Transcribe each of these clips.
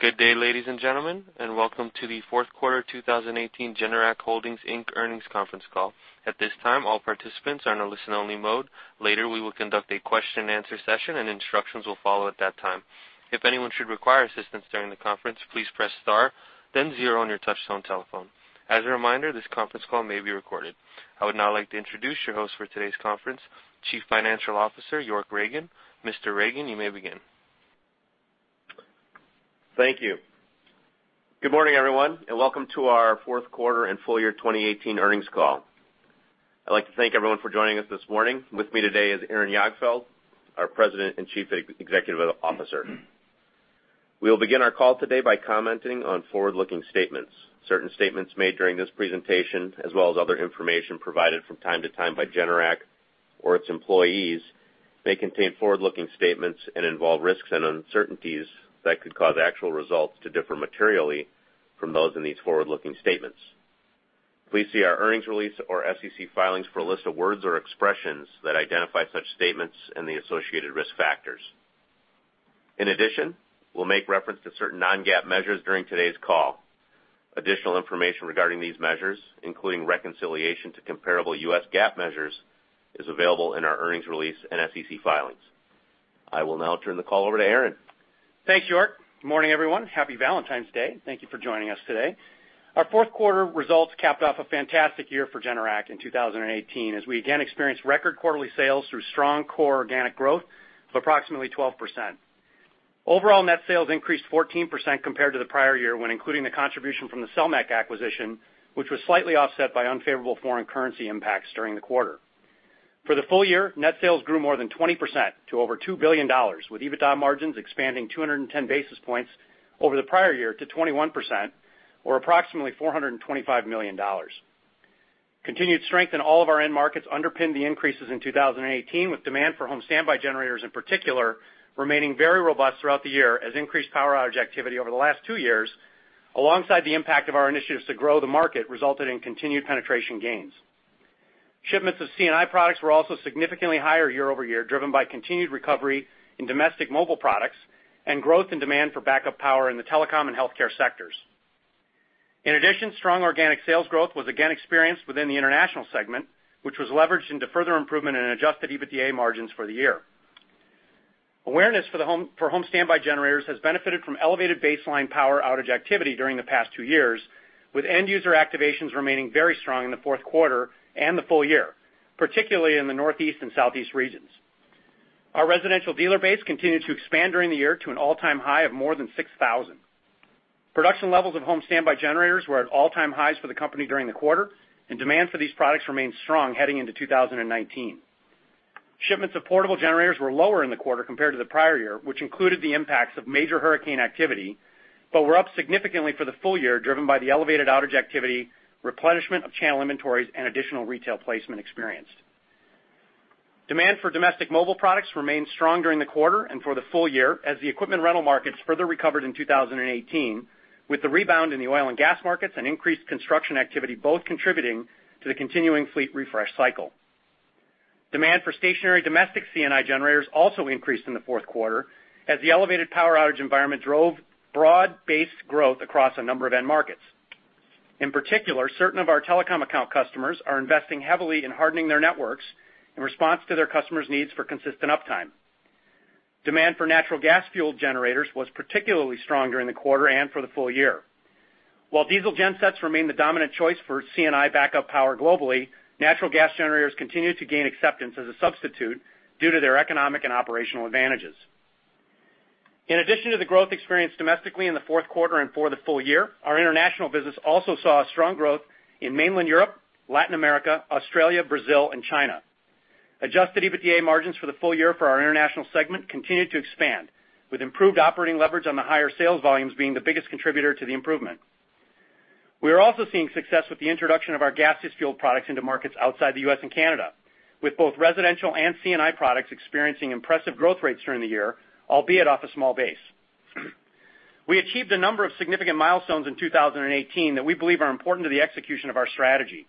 Good day, ladies and gentlemen, welcome to the fourth quarter 2018 Generac Holdings Inc. earnings conference call. At this time, all participants are in a listen-only mode. Later, we will conduct a question-and-answer session, and instructions will follow at that time. If anyone should require assistance during the conference, please press star then zero on your touchtone telephone. As a reminder, this conference call may be recorded. I would now like to introduce your host for today's conference, Chief Financial Officer, York Ragen. Mr. Ragen, you may begin. Thank you. Good morning, everyone, welcome to our fourth quarter and full year 2018 earnings call. I'd like to thank everyone for joining us this morning. With me today is Aaron Jagdfeld, our President and Chief Executive Officer. We will begin our call today by commenting on forward-looking statements. Certain statements made during this presentation, as well as other information provided from time to time by Generac or its employees, may contain forward-looking statements and involve risks and uncertainties that could cause actual results to differ materially from those in these forward-looking statements. Please see our earnings release or SEC filings for a list of words or expressions that identify such statements and the associated risk factors. We'll make reference to certain non-GAAP measures during today's call. Additional information regarding these measures, including reconciliation to comparable U.S. GAAP measures, is available in our earnings release and SEC filings. I will now turn the call over to Aaron. Thanks, York. Good morning, everyone. Happy Valentine's Day. Thank you for joining us today. Our fourth quarter results capped off a fantastic year for Generac in 2018, as we again experienced record quarterly sales through strong core organic growth of approximately 12%. Overall net sales increased 14% compared to the prior year when including the contribution from the Selmec acquisition, which was slightly offset by unfavorable foreign currency impacts during the quarter. For the full year, net sales grew more than 20% to over $2 billion, with EBITDA margins expanding 210 basis points over the prior year to 21%, or approximately $425 million. Continued strength in all of our end markets underpinned the increases in 2018, with demand for home standby generators in particular remaining very robust throughout the year as increased power outage activity over the last two years, alongside the impact of our initiatives to grow the market, resulted in continued penetration gains. Shipments of C&I Products were also significantly higher year-over-year, driven by continued recovery in domestic mobile products and growth in demand for backup power in the telecom and healthcare sectors. In addition, strong organic sales growth was again experienced within the International segment, which was leveraged into further improvement in adjusted EBITDA margins for the year. Awareness for home standby generators has benefited from elevated baseline power outage activity during the past two years, with end user activations remaining very strong in the fourth quarter and the full year, particularly in the Northeast and Southeast regions. Our residential dealer base continued to expand during the year to an all-time high of more than 6,000. Production levels of home standby generators were at all-time highs for the company during the quarter. Demand for these products remains strong heading into 2019. Shipments of portable generators were lower in the quarter compared to the prior year, which included the impacts of major hurricane activity. Shipments were up significantly for the full year, driven by the elevated outage activity, replenishment of channel inventories, and additional retail placement experienced. Demand for domestic mobile products remained strong during the quarter and for the full year as the equipment rental markets further recovered in 2018, with the rebound in the oil and gas markets and increased construction activity both contributing to the continuing fleet refresh cycle. Demand for stationary domestic C&I generators also increased in the fourth quarter as the elevated power outage environment drove broad-based growth across a number of end markets. In particular, certain of our telecom account customers are investing heavily in hardening their networks in response to their customers' needs for consistent uptime. Demand for natural gas-fueled generators was particularly strong during the quarter and for the full year. While diesel gensets remain the dominant choice for C&I backup power globally, natural gas generators continue to gain acceptance as a substitute due to their economic and operational advantages. In addition to the growth experienced domestically in the fourth quarter and for the full year, our international business also saw strong growth in mainland Europe, Latin America, Australia, Brazil, and China. Adjusted EBITDA margins for the full year for our International segment continued to expand, with improved operating leverage on the higher sales volumes being the biggest contributor to the improvement. We are also seeing success with the introduction of our gaseous fuel products into markets outside the U.S. and Canada, with both Residential and C&I Products experiencing impressive growth rates during the year, albeit off a small base. We achieved a number of significant milestones in 2018 that we believe are important to the execution of our strategy.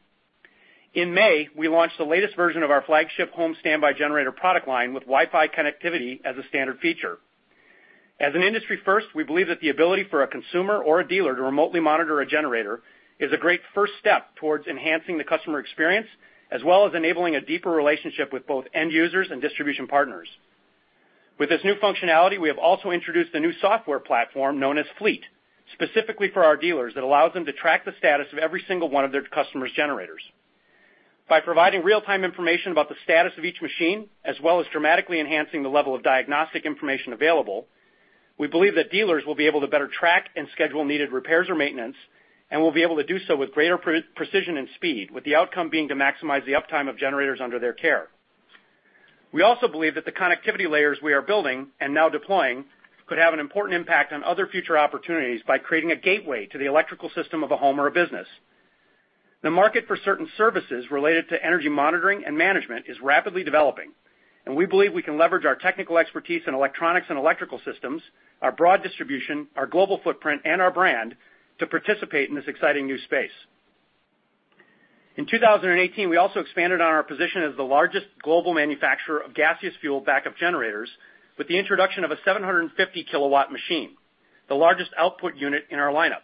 In May, we launched the latest version of our flagship home standby generator product line with Wi-Fi connectivity as a standard feature. As an industry first, we believe that the ability for a consumer or a dealer to remotely monitor a generator is a great first step towards enhancing the customer experience, as well as enabling a deeper relationship with both end users and distribution partners. With this new functionality, we have also introduced a new software platform known as Fleet, specifically for our dealers that allows them to track the status of every single one of their customers' generators. By providing real-time information about the status of each machine, as well as dramatically enhancing the level of diagnostic information available, we believe that dealers will be able to better track and schedule needed repairs or maintenance and will be able to do so with greater precision and speed, with the outcome being to maximize the uptime of generators under their care. We also believe that the connectivity layers we are building and now deploying could have an important impact on other future opportunities by creating a gateway to the electrical system of a home or a business. The market for certain services related to energy monitoring and management is rapidly developing. We believe we can leverage our technical expertise in electronics and electrical systems, our broad distribution, our global footprint, and our brand to participate in this exciting new space. In 2018, we also expanded on our position as the largest global manufacturer of gaseous fuel backup generators with the introduction of a 750 KW machine, the largest output unit in our lineup.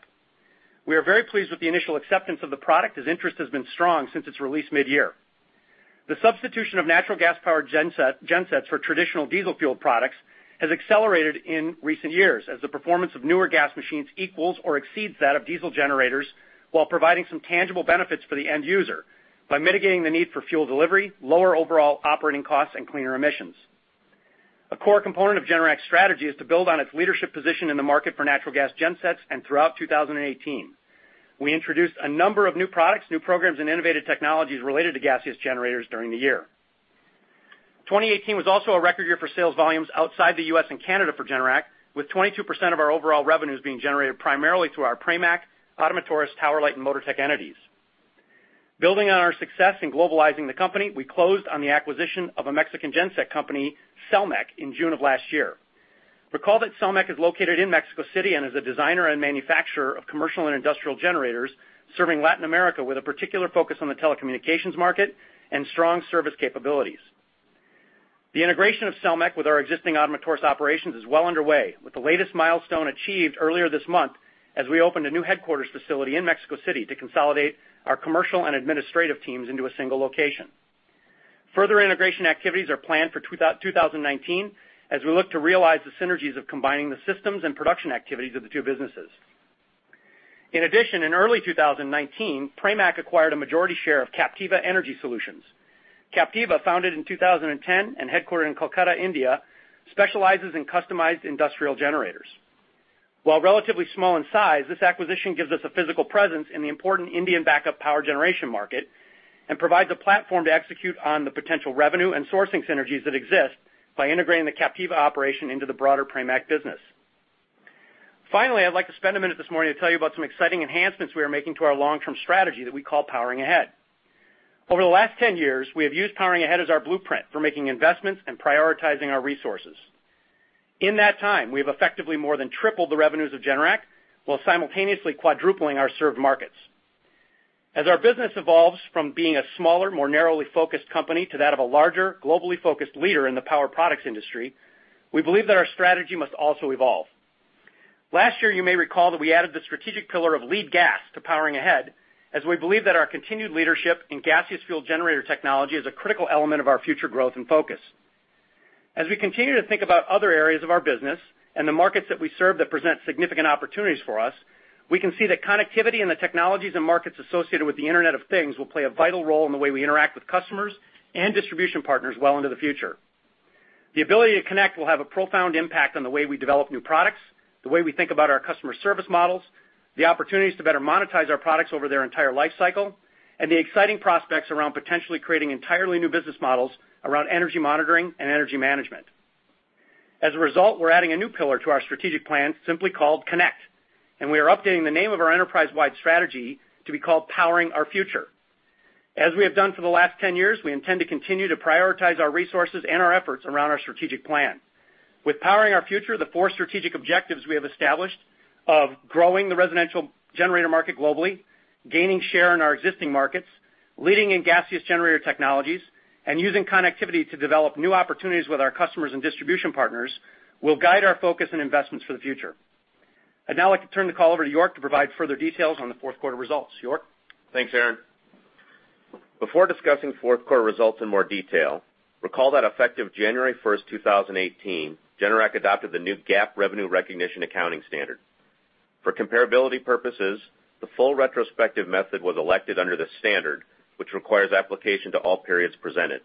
We are very pleased with the initial acceptance of the product, as interest has been strong since its release mid-year. The substitution of natural gas-powered gensets for traditional diesel fuel products has accelerated in recent years as the performance of newer gas machines equals or exceeds that of diesel generators, while providing some tangible benefits for the end user by mitigating the need for fuel delivery, lower overall operating costs, and cleaner emissions. A core component of Generac's strategy is to build on its leadership position in the market for natural gas gensets and throughout 2018. We introduced a number of new products, new programs, and innovative technologies related to gaseous generators during the year. 2018 was also a record year for sales volumes outside the U.S. and Canada for Generac, with 22% of our overall revenues being generated primarily through our Pramac, Ottomotores, Tower Light, and Motortech entities. Building on our success in globalizing the company, we closed on the acquisition of a Mexican genset company, Selmec, in June of last year. Recall that Selmec is located in Mexico City and is a designer and manufacturer of Commercial & Industrial generators serving Latin America with a particular focus on the telecommunications market and strong service capabilities. The integration of Selmec with our existing Ottomotores operations is well underway, with the latest milestone achieved earlier this month as we opened a new headquarters facility in Mexico City to consolidate our commercial and administrative teams into a single location. Further integration activities are planned for 2019 as we look to realize the synergies of combining the systems and production activities of the two businesses. In addition, in early 2019, Pramac acquired a majority share of Captiva Energy Solutions. Captiva, founded in 2010 and headquartered in Kolkata, India, specializes in customized industrial generators. While relatively small in size, this acquisition gives us a physical presence in the important Indian backup power generation market and provides a platform to execute on the potential revenue and sourcing synergies that exist by integrating the Captiva operation into the broader Pramac business. Finally, I'd like to spend a minute this morning to tell you about some exciting enhancements we are making to our long-term strategy that we call Powering Ahead. Over the last 10 years, we have used Powering Ahead as our blueprint for making investments and prioritizing our resources. In that time, we have effectively more than tripled the revenues of Generac while simultaneously quadrupling our served markets. Our business evolves from being a smaller, more narrowly focused company to that of a larger, globally focused leader in the power products industry, we believe that our strategy must also evolve. Last year, you may recall that we added the strategic pillar of Lead Gas to Powering Ahead, as we believe that our continued leadership in gaseous fuel generator technology is a critical element of our future growth and focus. As we continue to think about other areas of our business and the markets that we serve that present significant opportunities for us, we can see that connectivity and the technologies and markets associated with the Internet of Things will play a vital role in the way we interact with customers and distribution partners well into the future. The ability to Connect will have a profound impact on the way we develop new products, the way we think about our customer service models, the opportunities to better monetize our products over their entire life cycle, and the exciting prospects around potentially creating entirely new business models around energy monitoring and energy management. As a result, we're adding a new pillar to our strategic plan simply called Connect, and we are updating the name of our enterprise-wide strategy to be called Powering Our Future. We have done for the last 10 years, we intend to continue to prioritize our resources and our efforts around our strategic plan. With Powering Our Future, the four strategic objectives we have established of growing the residential generator market globally, gaining share in our existing markets, leading in gaseous generator technologies, and using connectivity to develop new opportunities with our customers and distribution partners will guide our focus and investments for the future. I'd now like to turn the call over to York to provide further details on the fourth quarter results. York? Thanks, Aaron. Before discussing fourth quarter results in more detail, recall that effective January 1st, 2018, Generac adopted the new GAAP revenue recognition accounting standard. For comparability purposes, the full retrospective method was elected under the standard, which requires application to all periods presented.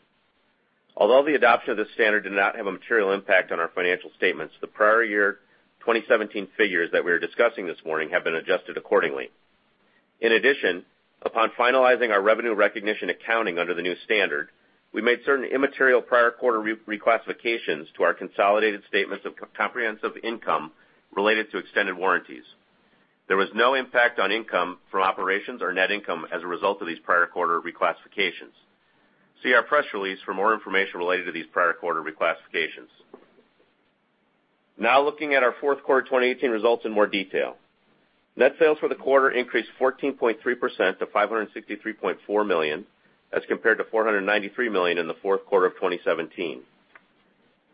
Although the adoption of this standard did not have a material impact on our financial statements, the prior year 2017 figures that we are discussing this morning have been adjusted accordingly. In addition, upon finalizing our revenue recognition accounting under the new standard, we made certain immaterial prior quarter reclassifications to our consolidated statements of comprehensive income related to extended warranties. There was no impact on income from operations or net income as a result of these prior quarter reclassifications. See our press release for more information related to these prior quarter reclassifications. Now looking at our fourth quarter 2018 results in more detail. Net sales for the quarter increased 14.3% to $563.4 million as compared to $493 million in the fourth quarter of 2017.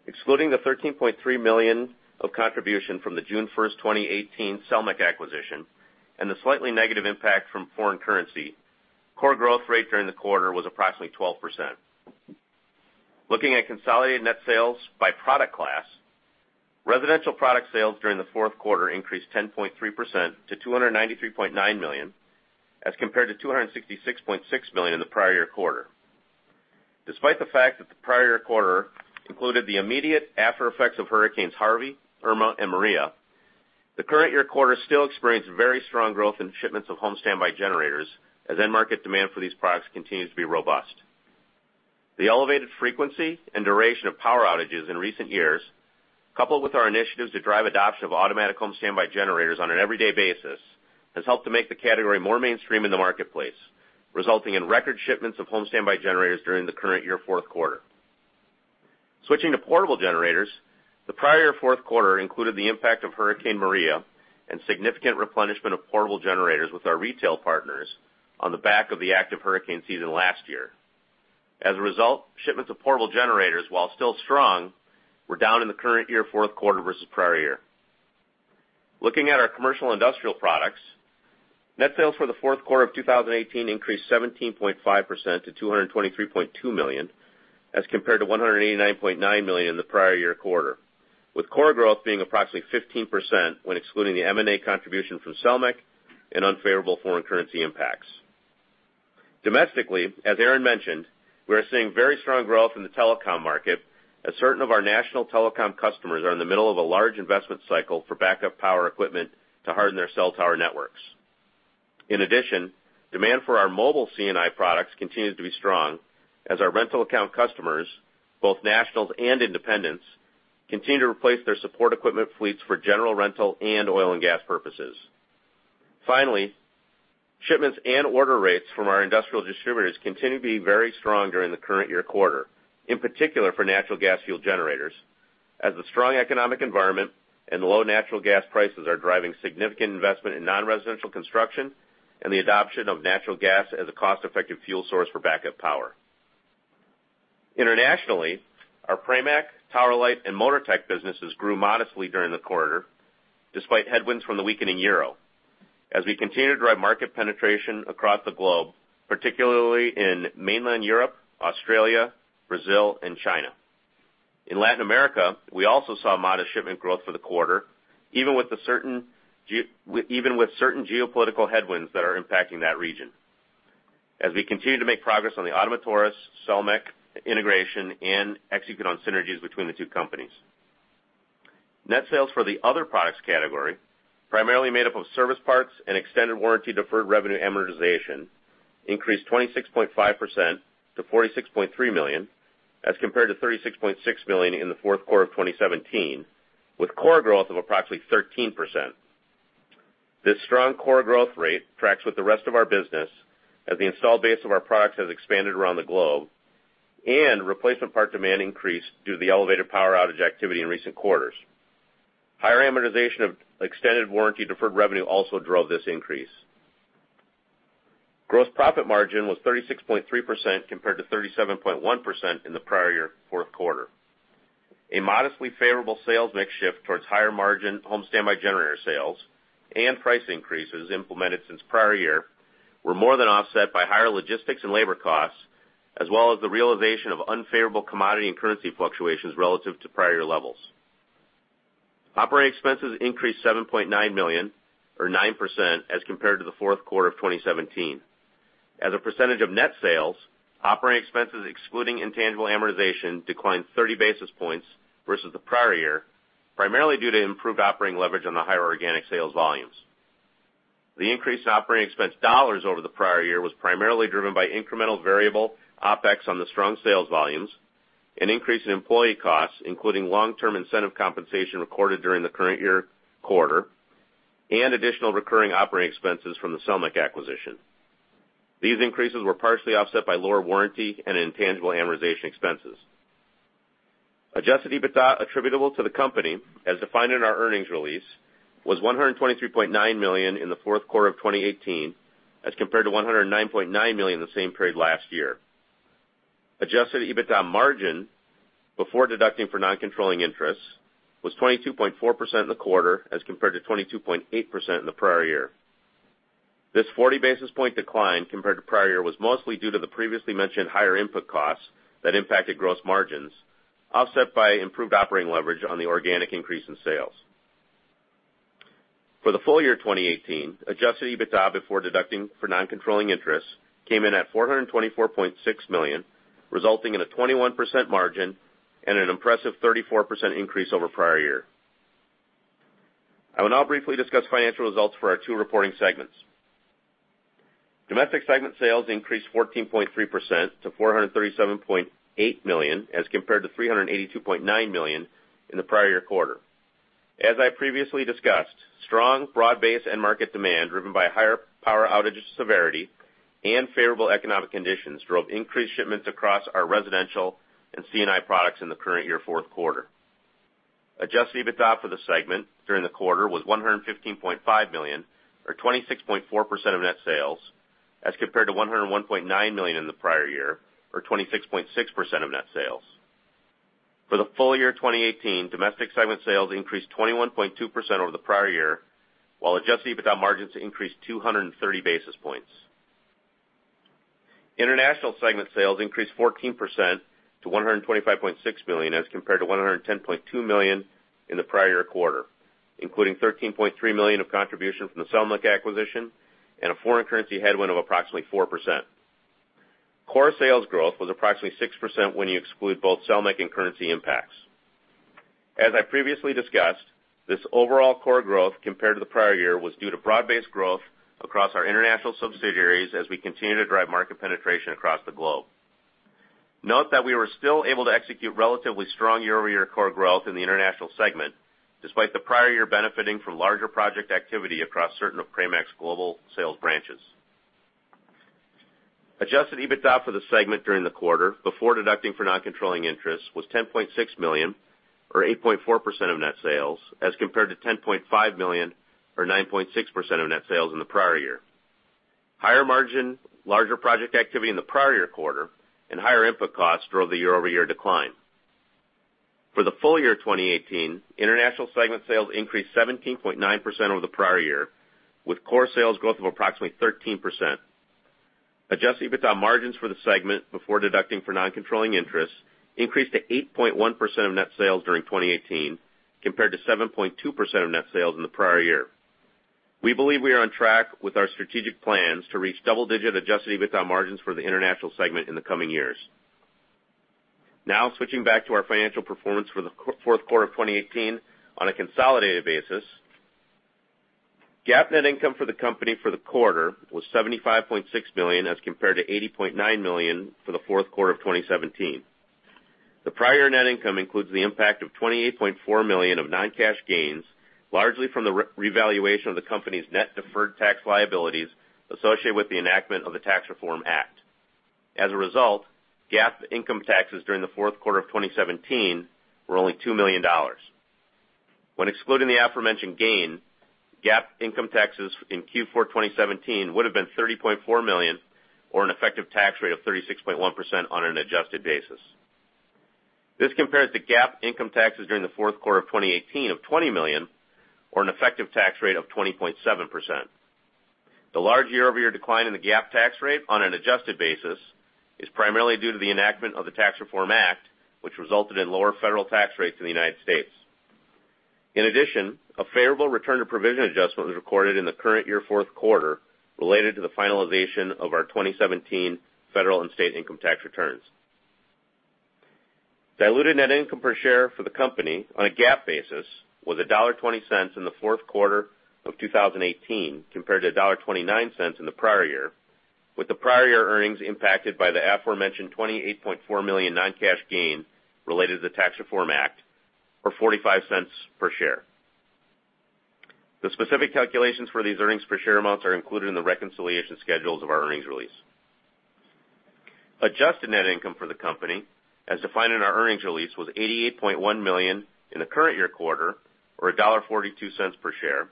Excluding the $13.3 million of contribution from the June 1st, 2018 Selmec acquisition and the slightly negative impact from foreign currency, core growth rate during the quarter was approximately 12%. Looking at consolidated net sales by product class, Residential Product sales during the fourth quarter increased 10.3% to $293.9 million as compared to $266.6 million in the prior year quarter. Despite the fact that the prior year quarter included the immediate after effects of Hurricane Harvey, Hurricane Irma, and Hurricane Maria, the current year quarter still experienced very strong growth in shipments of home standby generators as end market demand for these products continues to be robust. The elevated frequency and duration of power outages in recent years, coupled with our initiatives to drive adoption of automatic home standby generators on an everyday basis, has helped to make the category more mainstream in the marketplace, resulting in record shipments of home standby generators during the current year fourth quarter. Switching to portable generators, the prior fourth quarter included the impact of Hurricane Maria and significant replenishment of portable generators with our retail partners on the back of the active hurricane season last year. As a result, shipments of portable generators, while still strong, were down in the current year fourth quarter versus prior year. Looking at our Commercial & Industrial Products, net sales for the fourth quarter of 2018 increased 17.5% to $223.2 million, as compared to $189.9 million in the prior year quarter, with core growth being approximately 15% when excluding the M&A contribution from Selmec and unfavorable foreign currency impacts. Domestically, as Aaron mentioned, we are seeing very strong growth in the telecom market as certain of our national telecom customers are in the middle of a large investment cycle for backup power equipment to harden their cell tower networks. In addition, demand for our mobile C&I Products continues to be strong as our rental account customers, both nationals and independents, continue to replace their support equipment fleets for general rental and oil and gas purposes. Finally, shipments and order rates from our industrial distributors continue to be very strong during the current year quarter. In particular for natural gas fuel generators. As the strong economic environment and the low natural gas prices are driving significant investment in non-residential construction and the adoption of natural gas as a cost-effective fuel source for backup power. Internationally, our Pramac, Tower Light, and Motortech businesses grew modestly during the quarter despite headwinds from the weakening euro as we continue to drive market penetration across the globe, particularly in mainland Europe, Australia, Brazil, and China. In Latin America, we also saw modest shipment growth for the quarter, even with certain geopolitical headwinds that are impacting that region. As we continue to make progress on the Ottomotores Selmec integration and execute on synergies between the two companies. Net sales for the other products category, primarily made up of service parts and extended warranty deferred revenue amortization, increased 26.5% to $46.3 million, as compared to $36.6 million in the fourth quarter of 2017, with core growth of approximately 13%. This strong core growth rate tracks with the rest of our business as the installed base of our products has expanded around the globe and replacement part demand increased due to the elevated power outage activity in recent quarters. Higher amortization of extended warranty deferred revenue also drove this increase. Gross profit margin was 36.3% compared to 37.1% in the prior year fourth quarter. A modestly favorable sales mix shift towards higher margin home standby generator sales and price increases implemented since prior year were more than offset by higher logistics and labor costs, as well as the realization of unfavorable commodity and currency fluctuations relative to prior levels. Operating expenses increased $7.9 million or 9% as compared to the fourth quarter of 2017. As a percentage of net sales, operating expenses excluding intangible amortization declined 30 basis points versus the prior year, primarily due to improved operating leverage on the higher organic sales volumes. The increase in operating expense dollars over the prior year was primarily driven by incremental variable OpEx on the strong sales volumes, an increase in employee costs, including long-term incentive compensation recorded during the current year quarter, and additional recurring operating expenses from the Selmec acquisition. These increases were partially offset by lower warranty and intangible amortization expenses. Adjusted EBITDA attributable to the company, as defined in our earnings release, was $123.9 million in the fourth quarter of 2018 as compared to $109.9 million in the same period last year. Adjusted EBITDA margin before deducting for non-controlling interests was 22.4% in the quarter as compared to 22.8% in the prior year. This 40 basis point decline compared to prior year was mostly due to the previously mentioned higher input costs that impacted gross margins, offset by improved operating leverage on the organic increase in sales. For the full year 2018, adjusted EBITDA before deducting for non-controlling interests came in at $424.6 million, resulting in a 21% margin and an impressive 34% increase over prior year. I will now briefly discuss financial results for our two reporting segments. Domestic segment sales increased 14.3% to $437.8 million as compared to $382.9 million in the prior year quarter. As I previously discussed, strong broad-based end market demand driven by higher power outage severity and favorable economic conditions drove increased shipments across our Residential and C&I Products in the current year fourth quarter. Adjusted EBITDA for the segment during the quarter was $115.5 million, or 26.4% of net sales, as compared to $101.9 million in the prior year, or 26.6% of net sales. For the full year 2018, Domestic segment sales increased 21.2% over the prior year, while adjusted EBITDA margins increased 230 basis points. International segment sales increased 14% to $125.6 million as compared to $110.2 million in the prior year quarter, including $13.3 million of contribution from the Selmec acquisition and a foreign currency headwind of approximately 4%. Core sales growth was approximately 6% when you exclude both Selmec and currency impacts. As I previously discussed, this overall core growth compared to the prior year was due to broad-based growth across our international subsidiaries as we continue to drive market penetration across the globe. Note that we were still able to execute relatively strong year-over-year core growth in the International segment despite the prior year benefiting from larger project activity across certain of Pramac's global sales branches. Adjusted EBITDA for the segment during the quarter, before deducting for non-controlling interest, was $10.6 million, or 8.4% of net sales, as compared to $10.5 million, or 9.6% of net sales in the prior year. Higher margin, larger project activity in the prior year quarter, and higher input costs drove the year-over-year decline. For the full year 2018, International segment sales increased 17.9% over the prior year, with core sales growth of approximately 13%. Adjusted EBITDA margins for the segment before deducting for non-controlling interests increased to 8.1% of net sales during 2018, compared to 7.2% of net sales in the prior year. We believe we are on track with our strategic plans to reach double-digit adjusted EBITDA margins for the International segment in the coming years. Now switching back to our financial performance for the fourth quarter of 2018 on a consolidated basis. GAAP net income for the company for the quarter was $75.6 million as compared to $80.9 million for the fourth quarter of 2017. The prior year net income includes the impact of $28.4 million of non-cash gains, largely from the revaluation of the company's net deferred tax liabilities associated with the enactment of the Tax Reform Act. As a result, GAAP income taxes during the fourth quarter of 2017 were only $2 million. When excluding the aforementioned gain, GAAP income taxes in Q4 2017 would have been $30.4 million, or an effective tax rate of 36.1% on an adjusted basis. This compares to GAAP income taxes during the fourth quarter of 2018 of $20 million, or an effective tax rate of 20.7%. The large year-over-year decline in the GAAP tax rate on an adjusted basis is primarily due to the enactment of the Tax Reform Act, which resulted in lower federal tax rates in the United States. In addition, a favorable return to provision adjustment was recorded in the current year fourth quarter related to the finalization of our 2017 federal and state income tax returns. Diluted net income per share for the company on a GAAP basis was $1.20 in the fourth quarter of 2018, compared to $1.29 in the prior year, with the prior year earnings impacted by the aforementioned $28.4 million non-cash gain related to the Tax Reform Act, or $0.45 per share. The specific calculations for these earnings per share amounts are included in the reconciliation schedules of our earnings release. Adjusted net income for the company, as defined in our earnings release, was $88.1 million in the current year quarter, or $1.42 per share,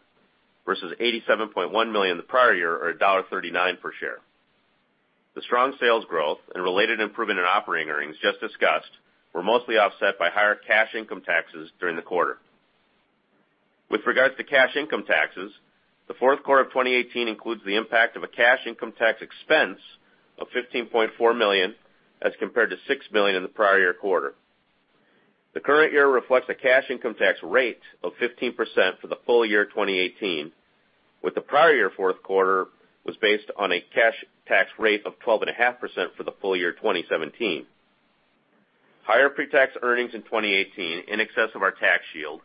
versus $87.1 million in the prior year, or $1.39 per share. The strong sales growth and related improvement in operating earnings just discussed were mostly offset by higher cash income taxes during the quarter. With regards to cash income taxes, the fourth quarter of 2018 includes the impact of a cash income tax expense of $15.4 million, as compared to $6 million in the prior year quarter. The current year reflects a cash income tax rate of 15% for the full year 2018, with the prior year fourth quarter was based on a cash tax rate of 12.5% for the full year 2017. Higher pre-tax earnings in 2018 in excess of our tax shield,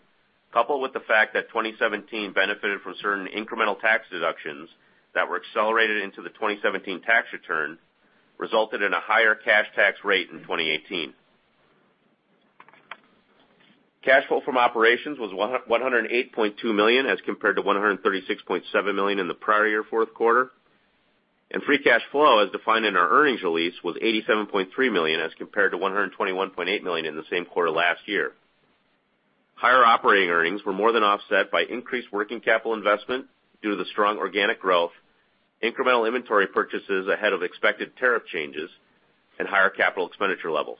coupled with the fact that 2017 benefited from certain incremental tax deductions that were accelerated into the 2017 tax return, resulted in a higher cash tax rate in 2018. Cash flow from operations was $108.2 million, as compared to $136.7 million in the prior year fourth quarter. Free cash flow, as defined in our earnings release, was $87.3 million, as compared to $121.8 million in the same quarter last year. Higher operating earnings were more than offset by increased working capital investment due to the strong organic growth, incremental inventory purchases ahead of expected tariff changes, and higher capital expenditure levels.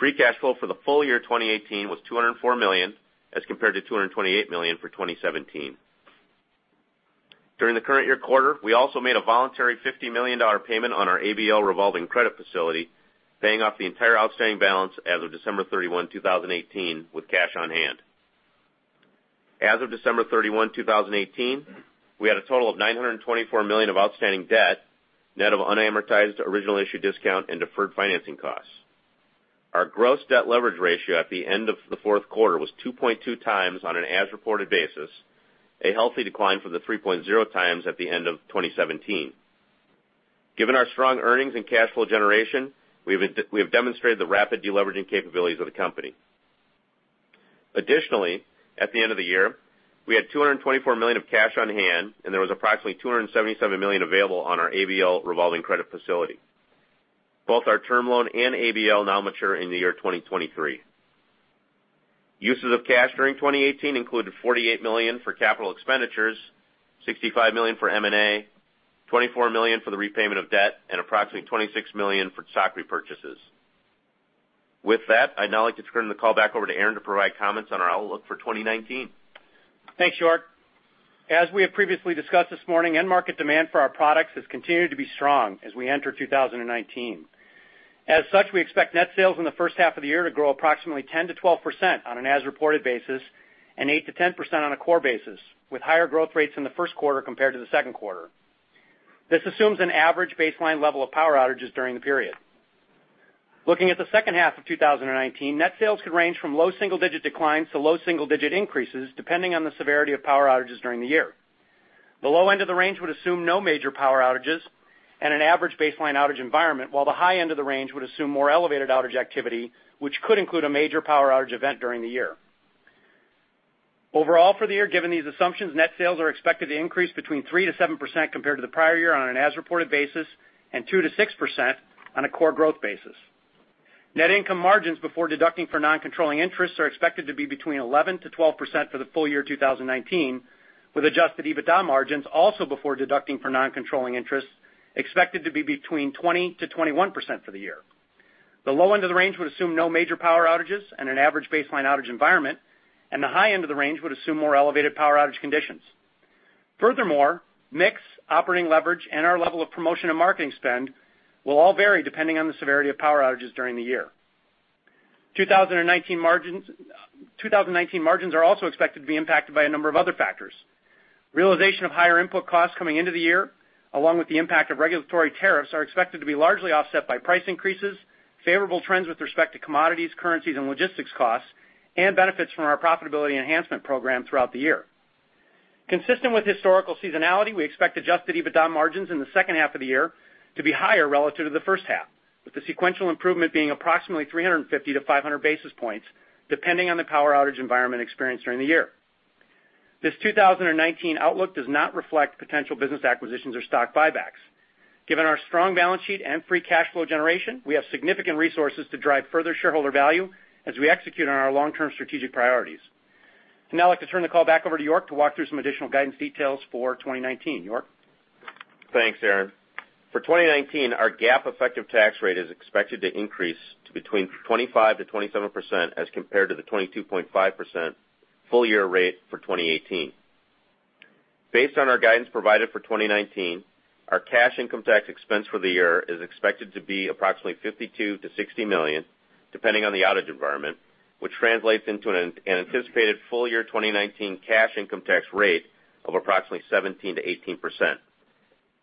Free cash flow for the full year 2018 was $204 million, as compared to $228 million for 2017. During the current year quarter, we also made a voluntary $50 million payment on our ABL revolving credit facility, paying off the entire outstanding balance as of December 31, 2018, with cash on hand. As of December 31, 2018, we had a total of $924 million of outstanding debt, net of unamortized original issue discount and deferred financing costs. Our gross debt leverage ratio at the end of the fourth quarter was 2.2x on an as-reported basis, a healthy decline from the 3.0x at the end of 2017. Given our strong earnings and cash flow generation, we have demonstrated the rapid deleveraging capabilities of the company. Additionally, at the end of the year, we had $224 million of cash on hand, and there was approximately $277 million available on our ABL revolving credit facility. Both our term loan and ABL now mature in the year 2023. Uses of cash during 2018 included $48 million for capital expenditures, $65 million for M&A, $24 million for the repayment of debt, and approximately $26 million for stock repurchases. With that, I'd now like to turn the call back over to Aaron to provide comments on our outlook for 2019. Thanks, York. As we have previously discussed this morning, end market demand for our products has continued to be strong as we enter 2019. As such, we expect net sales in the first half of the year to grow approximately 10%-12% on an as-reported basis and 8%-10% on a core basis, with higher growth rates in the first quarter compared to the second quarter. This assumes an average baseline level of power outages during the period. Looking at the second half of 2019, net sales could range from low single-digit declines to low single-digit increases, depending on the severity of power outages during the year. The low end of the range would assume no major power outages and an average baseline outage environment, while the high end of the range would assume more elevated outage activity, which could include a major power outage event during the year. Overall for the year, given these assumptions, net sales are expected to increase between 3%-7% compared to the prior year on an as-reported basis, and 2%-6% on a core growth basis. Net income margins before deducting for non-controlling interests are expected to be between 11%-12% for the full year 2019, with adjusted EBITDA margins, also before deducting for non-controlling interests, expected to be between 20%-21% for the year. The low end of the range would assume no major power outages and an average baseline outage environment, and the high end of the range would assume more elevated power outage conditions. Furthermore, mix, operating leverage, and our level of promotion and marketing spend will all vary depending on the severity of power outages during the year. 2019 margins are also expected to be impacted by a number of other factors. Realization of higher input costs coming into the year, along with the impact of regulatory tariffs, are expected to be largely offset by price increases, favorable trends with respect to commodities, currencies, and logistics costs, and benefits from our profitability enhancement program throughout the year. Consistent with historical seasonality, we expect adjusted EBITDA margins in the second half of the year to be higher relative to the first half, with the sequential improvement being approximately 350-500 basis points, depending on the power outage environment experienced during the year. This 2019 outlook does not reflect potential business acquisitions or stock buybacks. Given our strong balance sheet and free cash flow generation, we have significant resources to drive further shareholder value as we execute on our long-term strategic priorities. Now I'd like to turn the call back over to York to walk through some additional guidance details for 2019. York? Thanks, Aaron. For 2019, our GAAP effective tax rate is expected to increase to between 25%-27% as compared to the 22.5% full-year rate for 2018. Based on our guidance provided for 2019, our cash income tax expense for the year is expected to be approximately $52 million-$60 million, depending on the outage environment, which translates into an anticipated full-year 2019 cash income tax rate of approximately 17%-18%.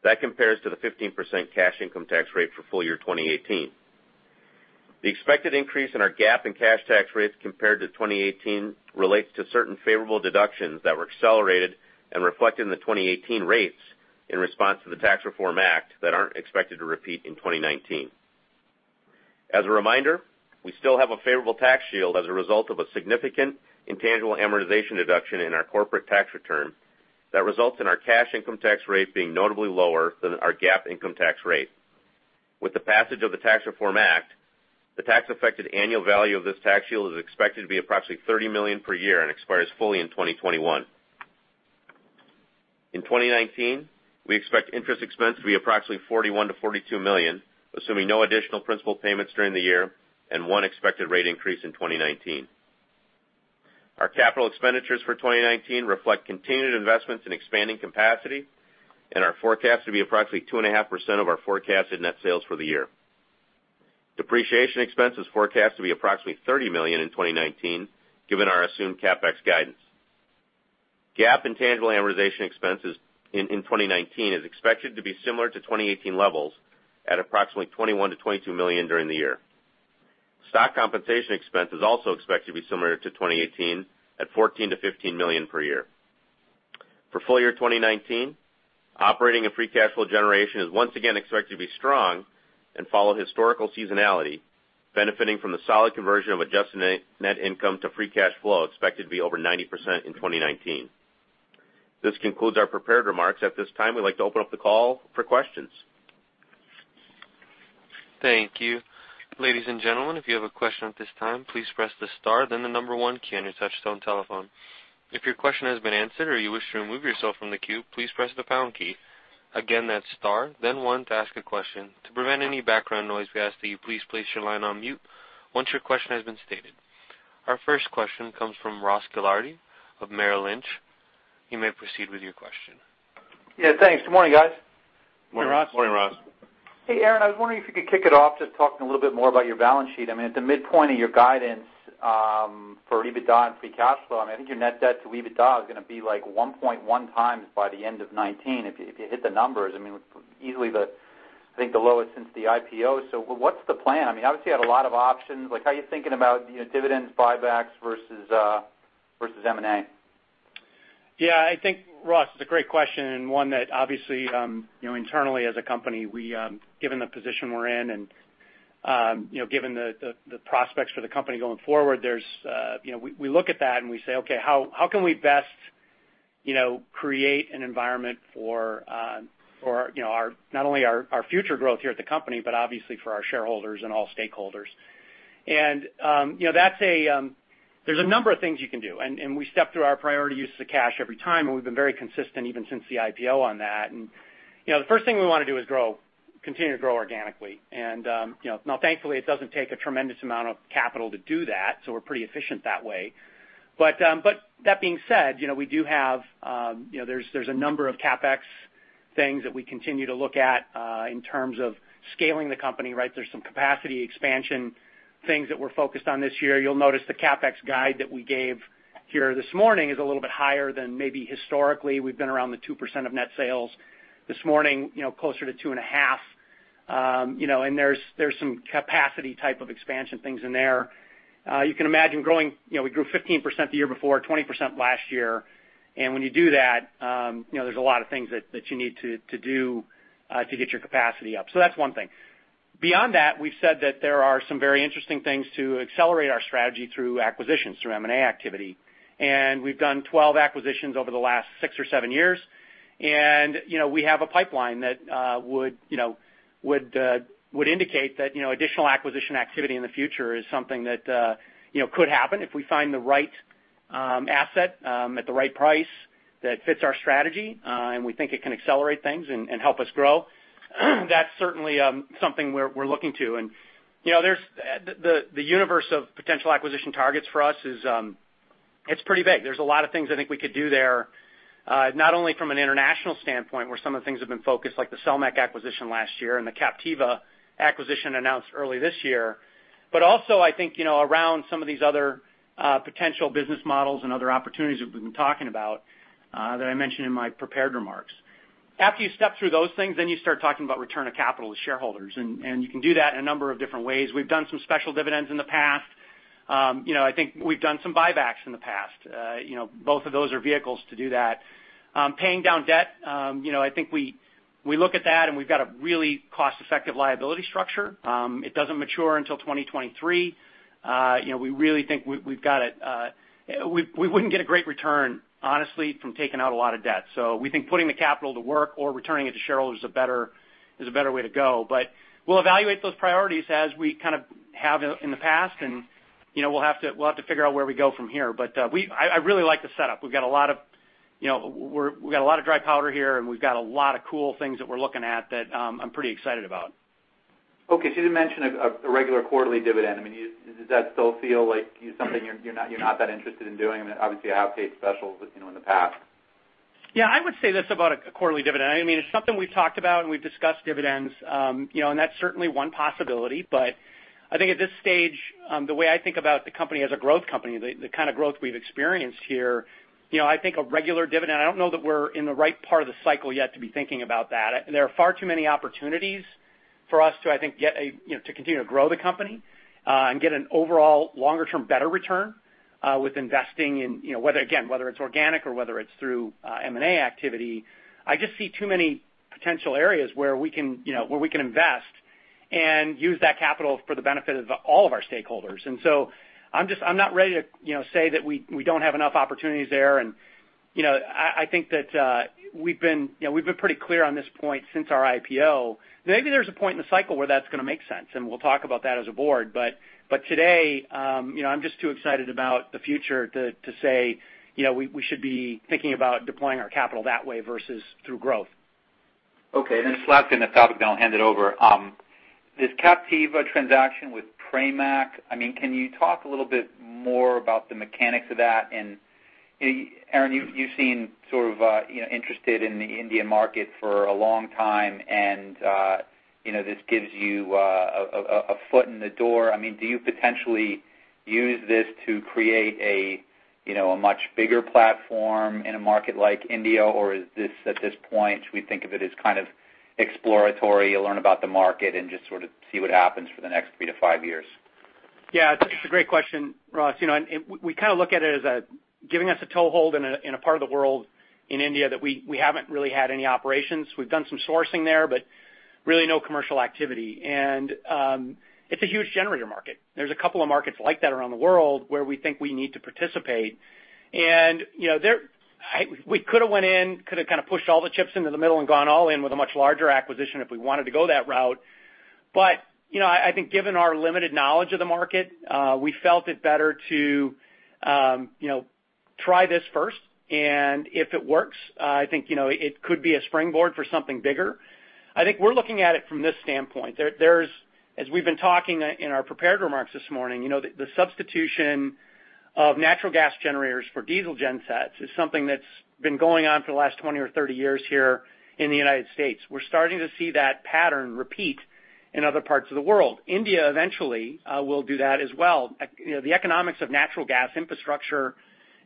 That compares to the 15% cash income tax rate for full-year 2018. The expected increase in our GAAP and cash tax rates compared to 2018 relates to certain favorable deductions that were accelerated and reflect in the 2018 rates in response to the Tax Reform Act that aren't expected to repeat in 2019. As a reminder, we still have a favorable tax shield as a result of a significant intangible amortization deduction in our corporate tax return that results in our cash income tax rate being notably lower than our GAAP income tax rate. With the passage of the Tax Reform Act, the tax affected annual value of this tax shield is expected to be approximately $30 million per year and expires fully in 2021. In 2019, we expect interest expense to be approximately $41 million-$42 million, assuming no additional principal payments during the year and one expected rate increase in 2019. Our capital expenditures for 2019 reflect continued investments in expanding capacity and are forecast to be approximately 2.5% of our forecasted net sales for the year. Depreciation expense is forecast to be approximately $30 million in 2019, given our assumed CapEx guidance. GAAP intangible amortization expenses in 2019 is expected to be similar to 2018 levels at approximately $21 million-$22 million during the year. Stock compensation expense is also expected to be similar to 2018, at $14 million-$15 million per year. For full-year 2019, operating and free cash flow generation is once again expected to be strong and follow historical seasonality, benefiting from the solid conversion of adjusted net income to free cash flow expected to be over 90% in 2019. This concludes our prepared remarks. At this time, we'd like to open up the call for questions. Thank you. Ladies and gentlemen, if you have a question at this time, please press the star then the number one key on your touchtone telephone. If your question has been answered or you wish to remove yourself from the queue, please press the pound key. Again, that's star then one to ask a question. To prevent any background noise, we ask that you please place your line on mute once your question has been stated. Our first question comes from Ross Gilardi of Merrill Lynch. You may proceed with your question. Yeah, thanks. Good morning, guys. Morning, Ross. Morning, Ross. Hey, Aaron, I was wondering if you could kick it off just talking a little bit more about your balance sheet. At the midpoint of your guidance for EBITDA and free cash flow, I think your net debt to EBITDA is going to be 1.1x by the end of 2019 if you hit the numbers. Easily, I think the lowest since the IPO. What's the plan? Obviously, you have a lot of options. How are you thinking about dividends, buybacks versus M&A? I think, Ross, it's a great question, one that obviously, internally as a company, given the position we're in and given the prospects for the company going forward, we look at that and we say, okay, how can we best create an environment for not only our future growth here at the company, but obviously for our shareholders and all stakeholders? There's a number of things you can do, and we step through our priority uses of cash every time, and we've been very consistent even since the IPO on that. The first thing we want to do is continue to grow organically. Thankfully, it doesn't take a tremendous amount of capital to do that, so we're pretty efficient that way. That being said, there's a number of CapEx things that we continue to look at in terms of scaling the company. There's some capacity expansion things that we're focused on this year. You'll notice the CapEx guide that we gave here this morning is a little bit higher than maybe historically. We've been around the 2% of net sales. This morning, closer to 2.5%. There's some capacity type of expansion things in there. You can imagine growing. We grew 15% the year before, 20% last year. When you do that, there's a lot of things that you need to do to get your capacity up. That's one thing. Beyond that, we've said that there are some very interesting things to accelerate our strategy through acquisitions, through M&A activity. We've done 12 acquisitions over the last six or seven years. We have a pipeline that would indicate that additional acquisition activity in the future is something that could happen if we find the right asset at the right price that fits our strategy, we think it can accelerate things and help us grow. That's certainly something we're looking to. The universe of potential acquisition targets for us is pretty big. There's a lot of things I think we could do there, not only from an international standpoint, where some of the things have been focused, like the Selmec acquisition last year and the Captiva acquisition announced early this year. Also, I think, around some of these other potential business models and other opportunities that we've been talking about, that I mentioned in my prepared remarks. After you step through those things, you start talking about return of capital to shareholders, you can do that in a number of different ways. We've done some special dividends in the past. I think we've done some buybacks in the past. Both of those are vehicles to do that. Paying down debt. I think we look at that, we've got a really cost-effective liability structure. It doesn't mature until 2023. We really think we wouldn't get a great return, honestly, from taking out a lot of debt. We think putting the capital to work or returning it to shareholders is a better way to go. We'll evaluate those priorities as we kind of have in the past, we'll have to figure out where we go from here. I really like the setup. We've got a lot of dry powder here, and we've got a lot of cool things that we're looking at that I'm pretty excited about. Okay. You didn't mention a regular quarterly dividend. Does that still feel like something you're not that interested in doing? I mean, obviously you have paid specials in the past. Yeah, I would say this about a quarterly dividend. It's something we've talked about, and we've discussed dividends. That's certainly one possibility, but I think at this stage, the way I think about the company as a growth company, the kind of growth we've experienced here, I think a regular dividend, I don't know that we're in the right part of the cycle yet to be thinking about that. There are far too many opportunities for us to, I think, to continue to grow the company, and get an overall longer-term better return, with investing in, again, whether it's organic or whether it's through M&A activity. I just see too many potential areas where we can invest and use that capital for the benefit of all of our stakeholders. I'm not ready to say that we don't have enough opportunities there, and I think that we've been pretty clear on this point since our IPO. Maybe there's a point in the cycle where that's going to make sense, and we'll talk about that as a board. Today, I'm just too excited about the future to say we should be thinking about deploying our capital that way versus through growth. Okay, just last thing I thought of then I'll hand it over. This Captiva transaction with Pramac. Can you talk a little bit more about the mechanics of that? Aaron, you've seemed sort of interested in the India market for a long time, and this gives you a foot in the door. Do you potentially use this to create a much bigger platform in a market like India, or at this point, should we think of it as kind of exploratory, learn about the market and just sort of see what happens for the next three to five years? Yeah. It's a great question, Ross. We kind of look at it as giving us a toehold in a part of the world in India that we haven't really had any operations. We've done some sourcing there, but really no commercial activity. It's a huge generator market. There's a couple of markets like that around the world where we think we need to participate. We could have went in, could have kind of pushed all the chips into the middle and gone all in with a much larger acquisition if we wanted to go that route. I think given our limited knowledge of the market, we felt it better to try this first, and if it works, I think it could be a springboard for something bigger. I think we're looking at it from this standpoint. As we've been talking in our prepared remarks this morning, the substitution of natural gas generators for diesel gensets is something that's been going on for the last 20 or 30 years here in the United States. We're starting to see that pattern repeat in other parts of the world. India eventually will do that as well. The economics of natural gas infrastructure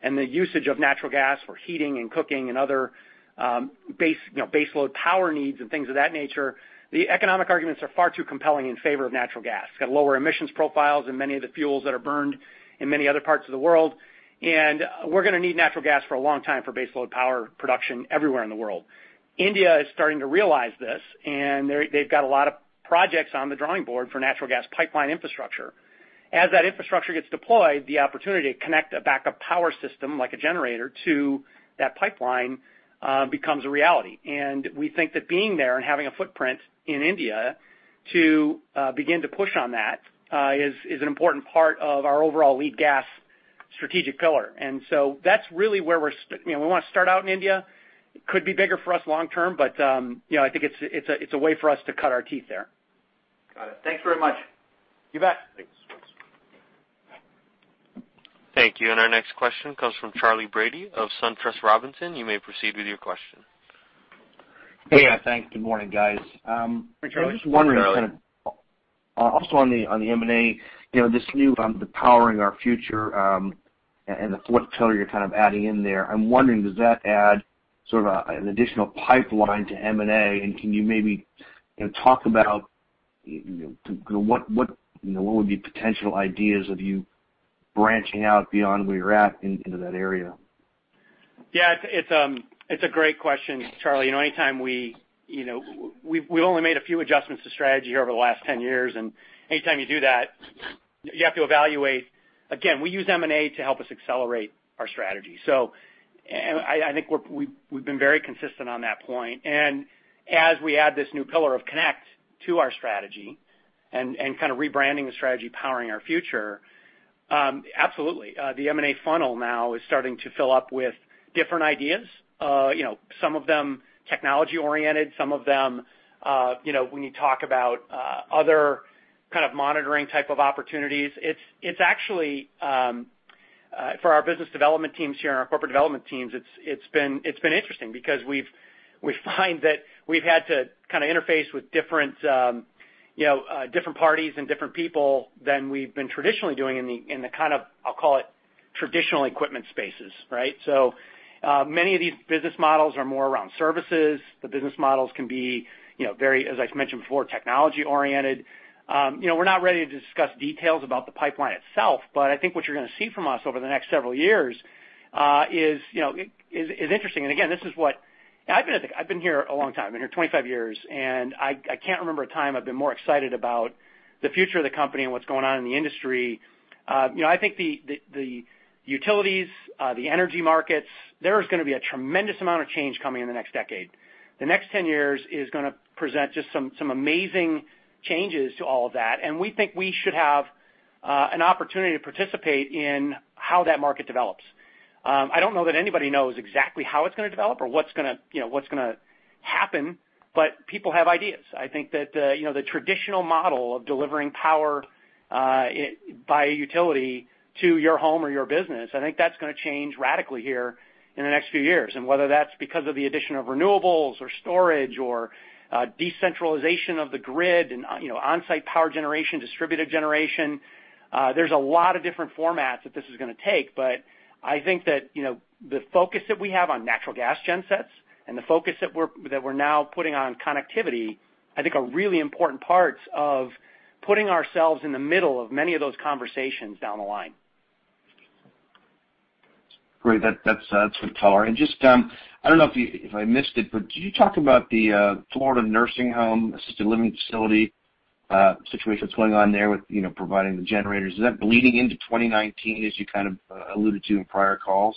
and the usage of natural gas for heating and cooking and other baseload power needs and things of that nature, the economic arguments are far too compelling in favor of natural gas. It's got lower emissions profiles than many of the fuels that are burned in many other parts of the world, and we're going to need natural gas for a long time for baseload power production everywhere in the world. India is starting to realize this, and they've got a lot of projects on the drawing board for natural gas pipeline infrastructure. As that infrastructure gets deployed, the opportunity to connect a backup power system like a generator to that pipeline becomes a reality. We think that being there and having a footprint in India to begin to push on that is an important part of our overall Lead Gas strategic pillar. That's really where we want to start out in India. Could be bigger for us long term, I think it's a way for us to cut our teeth there. Got it. Thanks very much. You bet. Thanks. Thank you. Our next question comes from Charley Brady of SunTrust Robinson. You may proceed with your question. Hey. Thanks. Good morning, guys. Hey, Charley. Hey, Charley. I'm just wondering, also on the M&A, this new, the Powering Our Future, and the fourth pillar you're kind of adding in there. I'm wondering, does that add sort of an additional pipeline to M&A? Can you maybe talk about what would be potential ideas of you branching out beyond where you're at into that area? Yeah, it's a great question, Charley. We've only made a few adjustments to strategy here over the last 10 years, and anytime you do that, you have to evaluate. Again, we use M&A to help us accelerate our strategy. I think we've been very consistent on that point. As we add this new pillar of Connect to our strategy and kind of rebranding the strategy, Powering Our Future, absolutely. The M&A funnel now is starting to fill up with different ideas. Some of them technology-oriented, some of them when you talk about other kind of monitoring type of opportunities. It's actually for our business development teams here and our corporate development teams, it's been interesting because we find that we've had to kind of interface with different parties and different people than we've been traditionally doing in the kind of, I'll call it traditional equipment spaces. Right? Many of these business models are more around services. The business models can be very, as I mentioned before, technology-oriented. We're not ready to discuss details about the pipeline itself, but I think what you're going to see from us over the next several years is interesting. Again, I've been here a long time. I've been here 25 years, and I can't remember a time I've been more excited about the future of the company and what's going on in the industry. I think the utilities, the energy markets, there is going to be a tremendous amount of change coming in the next decade. The next 10 years is going to present just some amazing changes to all of that, and we think we should have an opportunity to participate in how that market develops. I don't know that anybody knows exactly how it's going to develop or what's going to happen, but people have ideas. I think that the traditional model of delivering power by a utility to your home or your business, I think that's going to change radically here in the next few years. Whether that's because of the addition of renewables or storage or decentralization of the grid and onsite power generation, distributed generation. There's a lot of different formats that this is going to take, but I think that the focus that we have on natural gas gensets and the focus that we're now putting on connectivity, I think are really important parts of putting ourselves in the middle of many of those conversations down the line. Great. That's good color. Just, I don't know if I missed it, but could you talk about the Florida nursing home assisted living facility situation that's going on there with providing the generators. Is that bleeding into 2019 as you kind of alluded to in prior calls?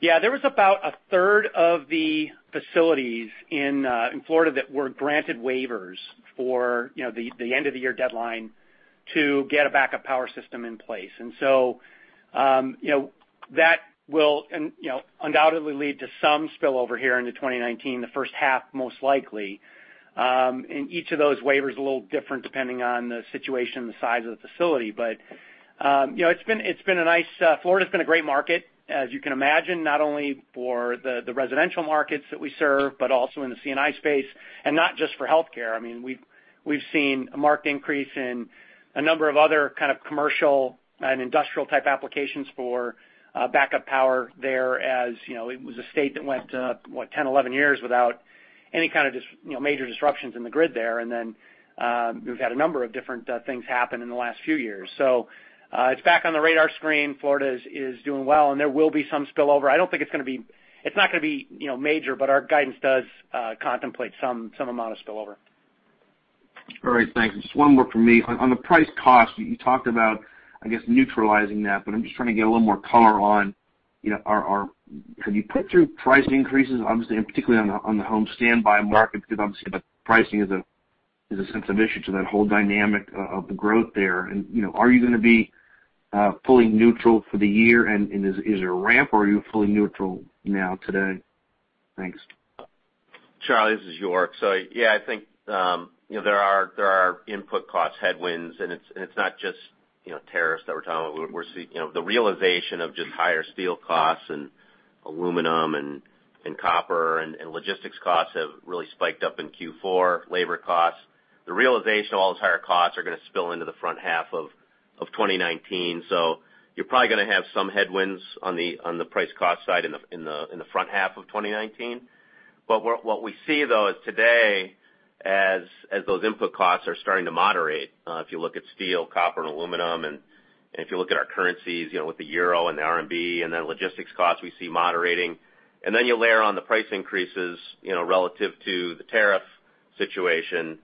Yeah, there was about a third of the facilities in Florida that were granted waivers for the end of the year deadline to get a backup power system in place. That will undoubtedly lead to some spillover here into 2019, the first half most likely. Each of those waivers are a little different depending on the situation and the size of the facility. Florida's been a great market, as you can imagine, not only for the residential markets that we serve, but also in the C&I space. Not just for healthcare. We've seen a marked increase in a number of other kind of Commercial & Industrial type applications for backup power there as it was a state that went, what, 10, 11 years without any kind of major disruptions in the grid there. We've had a number of different things happen in the last few years. It's back on the radar screen. Florida is doing well, and there will be some spillover. It's not going to be major, but our guidance does contemplate some amount of spillover. All right, thanks. Just one more from me. On the price cost, you talked about, I guess, neutralizing that, but I'm just trying to get a little more color on have you put through price increases, obviously, and particularly on the home standby market, because obviously the pricing is a sense of issue to that whole dynamic of the growth there. Are you going to be fully neutral for the year? Is it a ramp or are you fully neutral now today? Thanks. Charley, this is York. Yeah, I think there are input cost headwinds, and it's not just tariffs that we're talking about. The realization of just higher steel costs and aluminum and copper and logistics costs have really spiked up in Q4, labor costs. The realization of all those higher costs are going to spill into the front half of 2019. You're probably going to have some headwinds on the price cost side in the front half of 2019. What we see, though, is today as those input costs are starting to moderate. If you look at steel, copper, and aluminum, and if you look at our currencies with the euro and the RMB and the logistics costs we see moderating. You layer on the price increases relative to the tariff situation.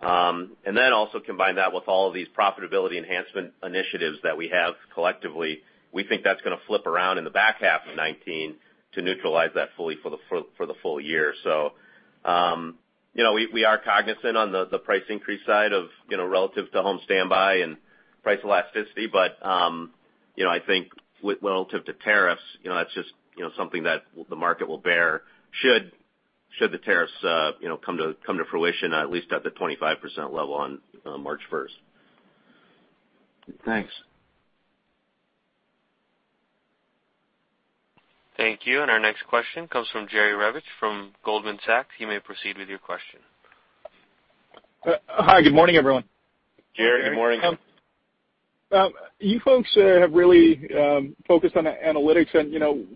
Combine that with all of these profitability enhancement initiatives that we have collectively. We think that's going to flip around in the back half of 2019 to neutralize that fully for the full year. We are cognizant on the price increase side of relative to home standby and price elasticity. I think relative to tariffs, that's just something that the market will bear should the tariffs come to fruition at least at the 25% level on March 1st. Thanks. Thank you. Our next question comes from Jerry Revich from Goldman Sachs. You may proceed with your question. Hi. Good morning, everyone. Jerry, good morning. You folks have really focused on analytics, and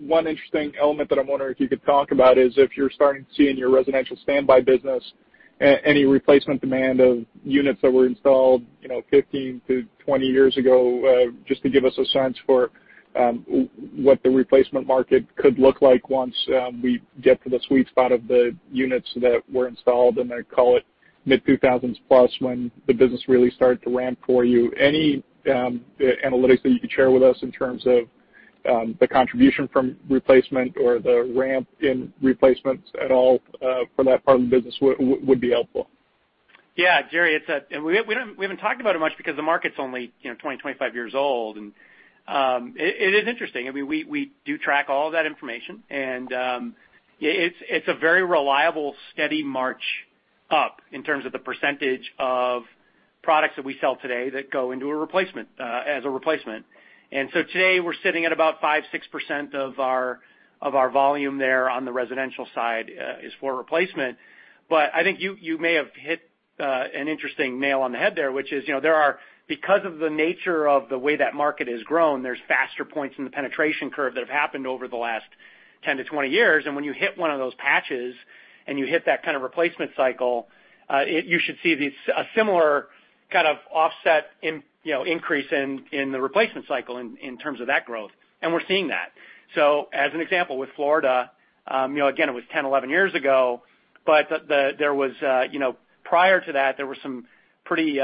one interesting element that I'm wondering if you could talk about is if you're starting to see in your residential standby business any replacement demand of units that were installed 15-20 years ago, just to give us a sense for what the replacement market could look like once we get to the sweet spot of the units that were installed in, call it, mid-2000s + when the business really started to ramp for you. Any analytics that you could share with us in terms of the contribution from replacement or the ramp in replacements at all for that part of the business would be helpful. Jerry, we haven't talked about it much because the market's only 20, 25 years old, and it is interesting. We do track all of that information, and it's a very reliable, steady march up in terms of the % of products that we sell today that go as a replacement. Today we're sitting at about 5%, 6% of our volume there on the Residential side is for replacement. I think you may have hit an interesting nail on the head there, which is, because of the nature of the way that market has grown, there's faster points in the penetration curve that have happened over the last 10-20 years. When you hit one of those patches and you hit that kind of replacement cycle, you should see a similar kind of offset increase in the replacement cycle in terms of that growth. We're seeing that. As an example, with Florida, again, it was 10, 11 years ago, but prior to that, there were some pretty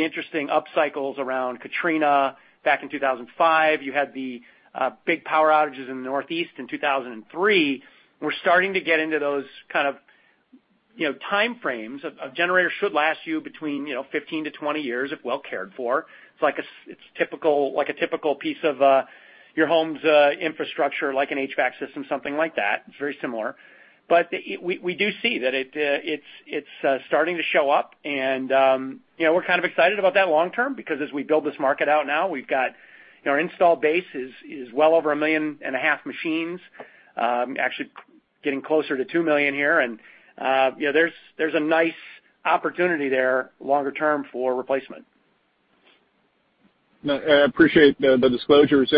interesting up cycles around Hurricane Katrina back in 2005. You had the big power outages in the Northeast in 2003. We're starting to get into those kind of time frames. A generator should last you between 15-20 years if well cared for. It's like a typical piece of your home's infrastructure, like an HVAC system, something like that. It's very similar. We do see that it's starting to show up, and we're kind of excited about that long term, because as we build this market out now, our installed base is well over a 1.5 million machines. Actually getting closer to 2 million here, and there's a nice opportunity there longer term for replacement. I appreciate the disclosures.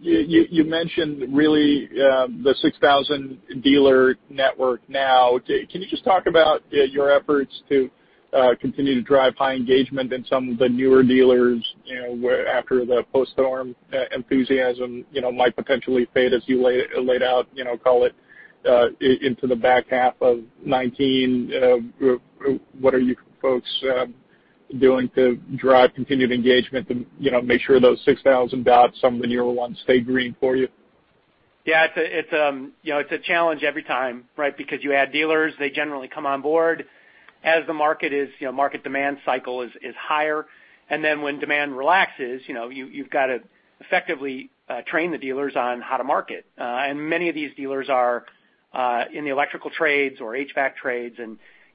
You mentioned, really, the 6,000 dealer network now. Can you just talk about your efforts to continue to drive high engagement in some of the newer dealers after the post-storm enthusiasm might potentially fade, as you laid out, call it, into the back half of 2019? What are you folks doing to drive continued engagement to make sure those 6,000 dots, some of the newer ones, stay green for you? Yeah. It's a challenge every time, right? Because you add dealers, they generally come on board as the market demand cycle is higher. When demand relaxes, you've got to effectively train the dealers on how to market. Many of these dealers are in the electrical trades or HVAC trades.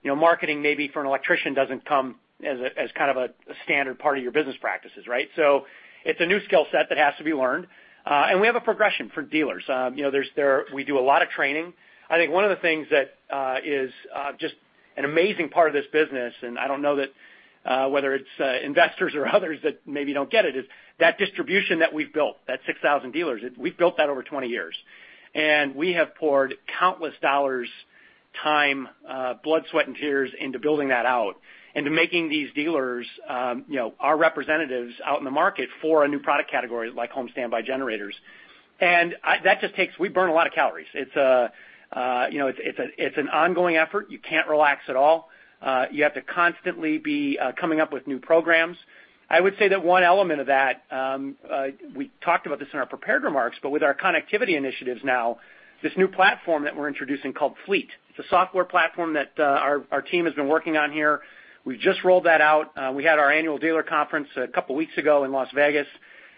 Marketing maybe for an electrician doesn't come as kind of a standard part of your business practices, right? It's a new skill set that has to be learned. We have a progression for dealers. We do a lot of training. I think one of the things that is just an amazing part of this business, and I don't know whether it's investors or others that maybe don't get it, is that distribution that we've built, that 6,000 dealers, we've built that over 20 years. We have poured countless dollars, time, blood, sweat, and tears into building that out and to making these dealers our representatives out in the market for a new product category like home standby generators. We burn a lot of calories. It's an ongoing effort. You can't relax at all. You have to constantly be coming up with new programs. I would say that one element of that, we talked about this in our prepared remarks, but with our connectivity initiatives now, this new platform that we're introducing called Fleet. It's a software platform that our team has been working on here. We've just rolled that out. We had our annual dealer conference a couple of weeks ago in Las Vegas,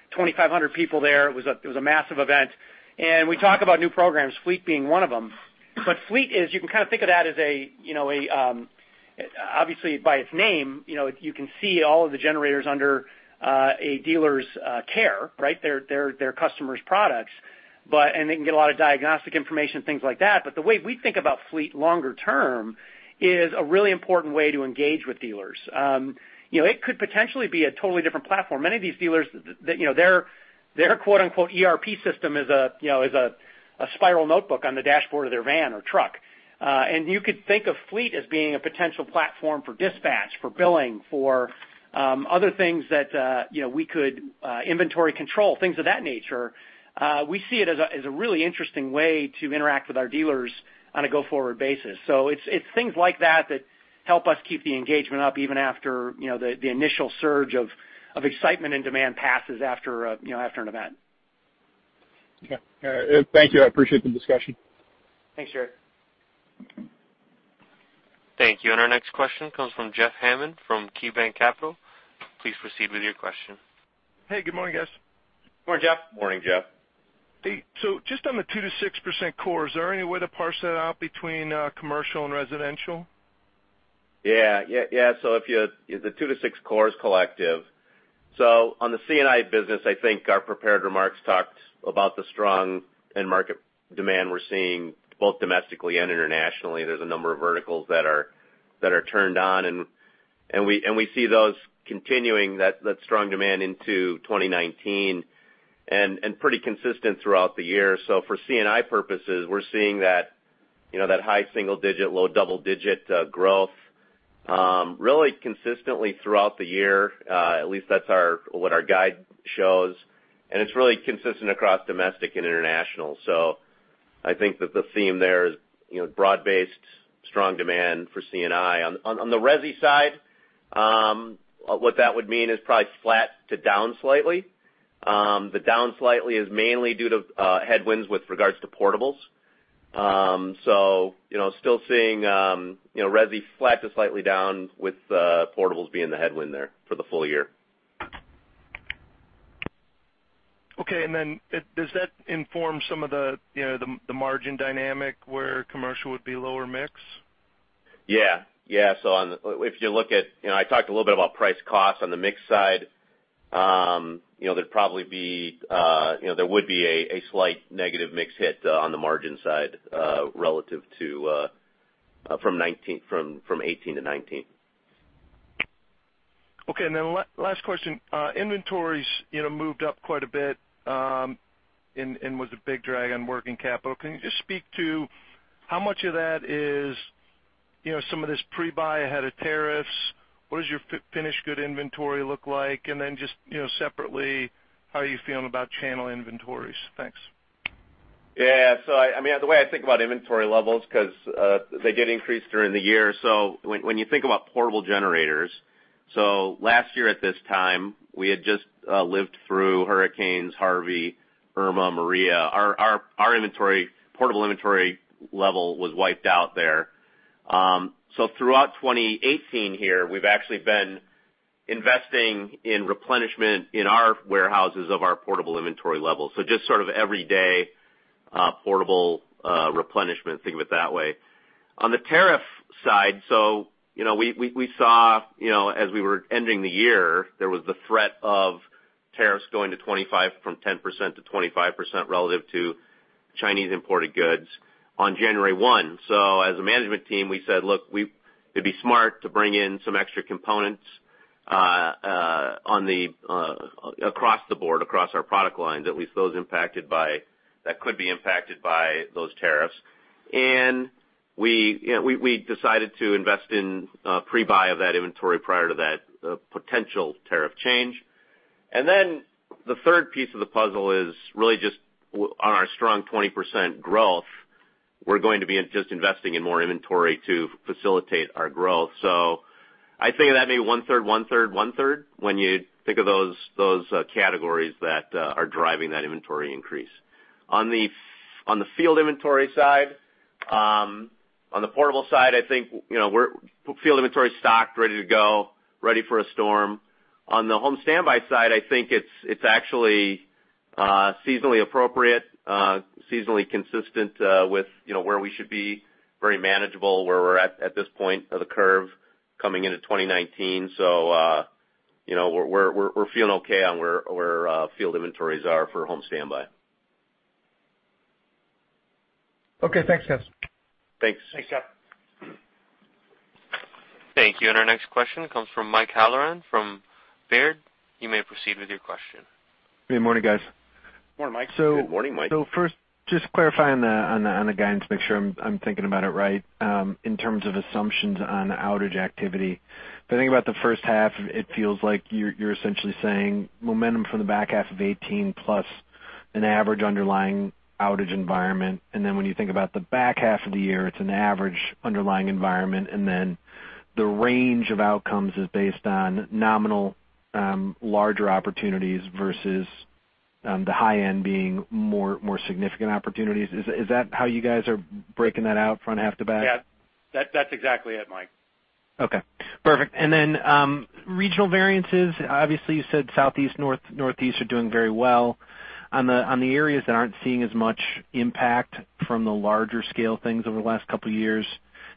2,500 people there. It was a massive event. We talk about new programs, Fleet being one of them. Fleet is, you can kind of think of that as obviously by its name, you can see all of the generators under a dealer's care, right? Their customers' products. They can get a lot of diagnostic information, things like that. The way we think about Fleet longer term is a really important way to engage with dealers. It could potentially be a totally different platform. Many of these dealers, their quote-unquote "ERP system" is a spiral notebook on the dashboard of their van or truck. You could think of Fleet as being a potential platform for dispatch, for billing, for other things that we could inventory control, things of that nature. We see it as a really interesting way to interact with our dealers on a go-forward basis. It's things like that that help us keep the engagement up even after the initial surge of excitement and demand passes after an event. Okay. Thank you. I appreciate the discussion. Thanks, Jerry. Thank you. Our next question comes from Jeff Hammond from KeyBanc Capital. Please proceed with your question. Hey, good morning, guys. Good morning, Jeff. Morning, Jeff. Hey. Just on the 2%-6% core, is there any way to parse that out between Commercial and Residential? Yeah. The 2%-6% core is collective. On the C&I business, I think our prepared remarks talked about the strong end market demand we're seeing both domestically and internationally. There's a number of verticals that are turned on, and we see those continuing that strong demand into 2019, pretty consistent throughout the year. For C&I purposes, we're seeing that high single digit, low double-digit growth really consistently throughout the year. At least that's what our guide shows, and it's really consistent across Domestic and International. I think that the theme there is broad-based strong demand for C&I. On the Resi side, what that would mean is probably flat to down slightly. The down slightly is mainly due to headwinds with regards to portables. Still seeing Resi flat to slightly down with portables being the headwind there for the full year. Okay, does that inform some of the margin dynamic where commercial would be lower mix? Yeah. I talked a little bit about price cost on the mix side. There'd probably be a slight negative mix hit on the margin side relative from 2018-2019. Okay, last question. Inventories moved up quite a bit, was a big drag on working capital. Can you just speak to how much of that is some of this pre-buy ahead of tariffs? What does your finished good inventory look like? Just separately, how are you feeling about channel inventories? Thanks. Yeah. The way I think about inventory levels, because they did increase during the year, when you think about portable generators, so last year at this time, we had just lived through Hurricanes Harvey, Irma, Maria. Our portable inventory level was wiped out there. Throughout 2018 here, we've actually been investing in replenishment in our warehouses of our portable inventory levels. Just sort of everyday portable replenishment, think of it that way. On the tariff side, we saw as we were ending the year, there was the threat of tariffs going to 25% from 10%-25% relative to Chinese imported goods on January 1. As a management team, we said, "Look, it'd be smart to bring in some extra components across the board, across our product lines, at least those that could be impacted by those tariffs." We decided to invest in pre-buy of that inventory prior to that potential tariff change. The third piece of the puzzle is really just on our strong 20% growth, we're going to be just investing in more inventory to facilitate our growth. I think of that being one third, one third, one third when you think of those categories that are driving that inventory increase. On the field inventory side, on the portable side, I think, field inventory is stocked, ready to go, ready for a storm. On the home standby side, I think it's actually seasonally appropriate, seasonally consistent with where we should be, very manageable where we're at at this point of the curve coming into 2019. We're feeling okay on where our field inventories are for home standby. Okay, thanks guys. Thanks. Thanks, Jeff. Thank you. Our next question comes from Mike Halloran from Baird. You may proceed with your question. Good morning, guys. Morning, Mike. Good morning, Mike. First, just to clarify on the guidance, make sure I'm thinking about it right, in terms of assumptions on outage activity. If I think about the first half, it feels like you're essentially saying momentum from the back half of 2018 plus an average underlying outage environment. When you think about the back half of the year, it's an average underlying environment, and then the range of outcomes is based on nominal larger opportunities versus the high end being more significant opportunities. Is that how you guys are breaking that out front half to back? Yeah. That's exactly it, Mike. Okay, perfect. Regional variances. Obviously, you said Southeast, Northeast are doing very well. On the areas that aren't seeing as much impact from the larger scale things over the last couple of years,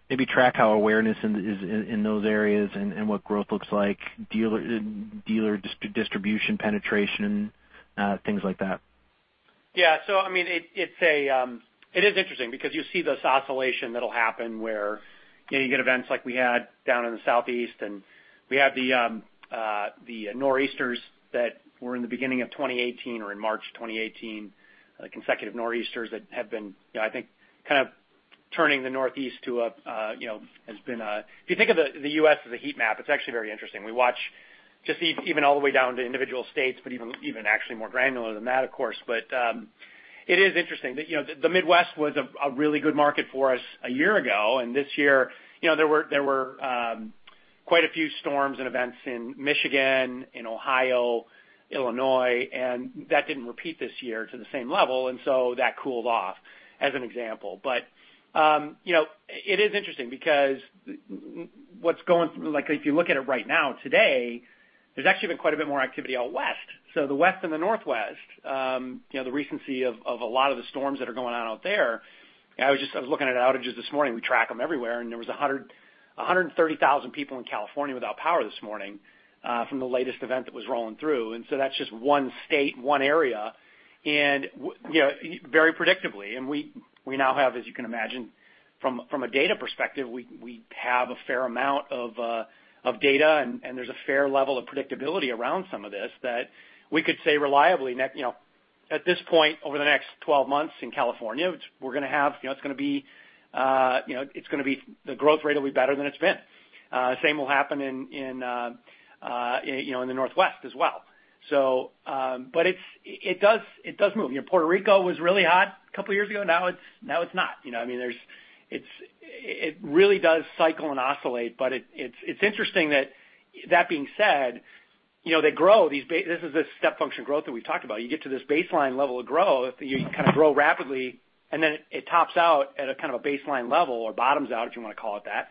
maybe track how awareness is in those areas and what growth looks like, dealer distribution, penetration, things like that. Yeah. It is interesting because you see this oscillation that'll happen where you get events like we had down in the Southeast, and we had the Nor'easters that were in the beginning of 2018 or in March 2018, consecutive Nor'easters that have been, I think, kind of turning the Northeast to a, if you think of the U.S. as a heat map, it's actually very interesting. We watch just even all the way down to individual states, but even actually more granular than that, of course. It is interesting. The Midwest was a really good market for us a year ago. This year, there were quite a few storms and events in Michigan, in Ohio, Illinois, and that didn't repeat this year to the same level. That cooled off as an example. It is interesting because if you look at it right now, today, there's actually been quite a bit more activity out West. The West and the Northwest, the recency of a lot of the storms that are going on out there. I was looking at outages this morning. We track them everywhere, and there was 130,000 people in California without power this morning from the latest event that was rolling through. That's just one state, one area, and very predictably. We now have, as you can imagine, from a data perspective, we have a fair amount of data, and there's a fair level of predictability around some of this that we could say reliably, at this point over the next 12 months in California, the growth rate will be better than it's been. Same will happen in the Northwest as well. It does move. Puerto Rico was really hot a couple of years ago, now it's not. It really does cycle and oscillate. It's interesting that being said, this is a step function growth that we've talked about. You get to this baseline level of growth, you kind of grow rapidly, and then it tops out at a kind of a baseline level or bottoms out, if you want to call it that.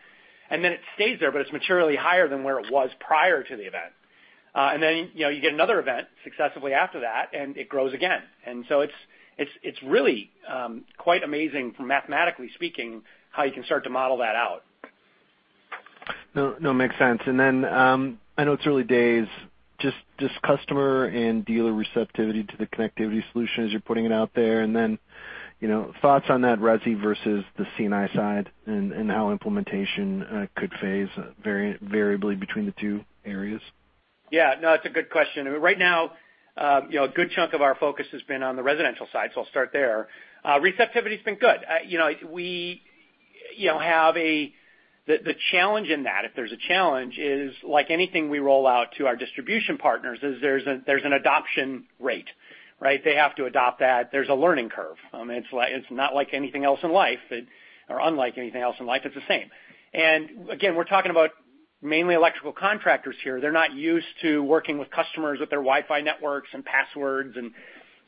It stays there, but it's materially higher than where it was prior to the event. You get another event successively after that, and it grows again. It's really quite amazing from mathematically speaking, how you can start to model that out. No, makes sense. I know it's early days, just customer and dealer receptivity to the connectivity solution as you're putting it out there, and then, thoughts on that Resi versus the C&I side and how implementation could phase variably between the two areas? Yeah. No, it's a good question. Right now, a good chunk of our focus has been on the Residential side, so I'll start there. Receptivity's been good. The challenge in that, if there's a challenge, is like anything we roll out to our distribution partners is there's an adoption rate, right? They have to adopt that. There's a learning curve. It's not like anything else in life, or unlike anything else in life, it's the same. Again, we're talking about mainly electrical contractors here. They're not used to working with customers with their Wi-Fi networks and passwords.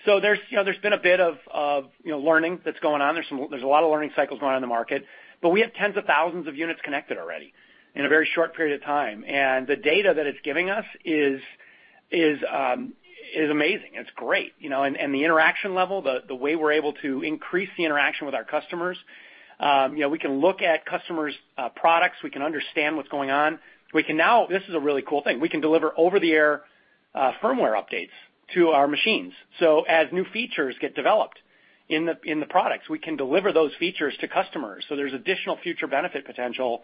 So there's been a bit of learning that's going on. There's a lot of learning cycles going on in the market, but we have 10,000s of units connected already in a very short period of time. The data that it's giving us is amazing. It's great. The interaction level, the way we're able to increase the interaction with our customers. We can look at customers' products, we can understand what's going on. This is a really cool thing. We can deliver over-the-air firmware updates to our machines. As new features get developed in the products, we can deliver those features to customers. There's additional future benefit potential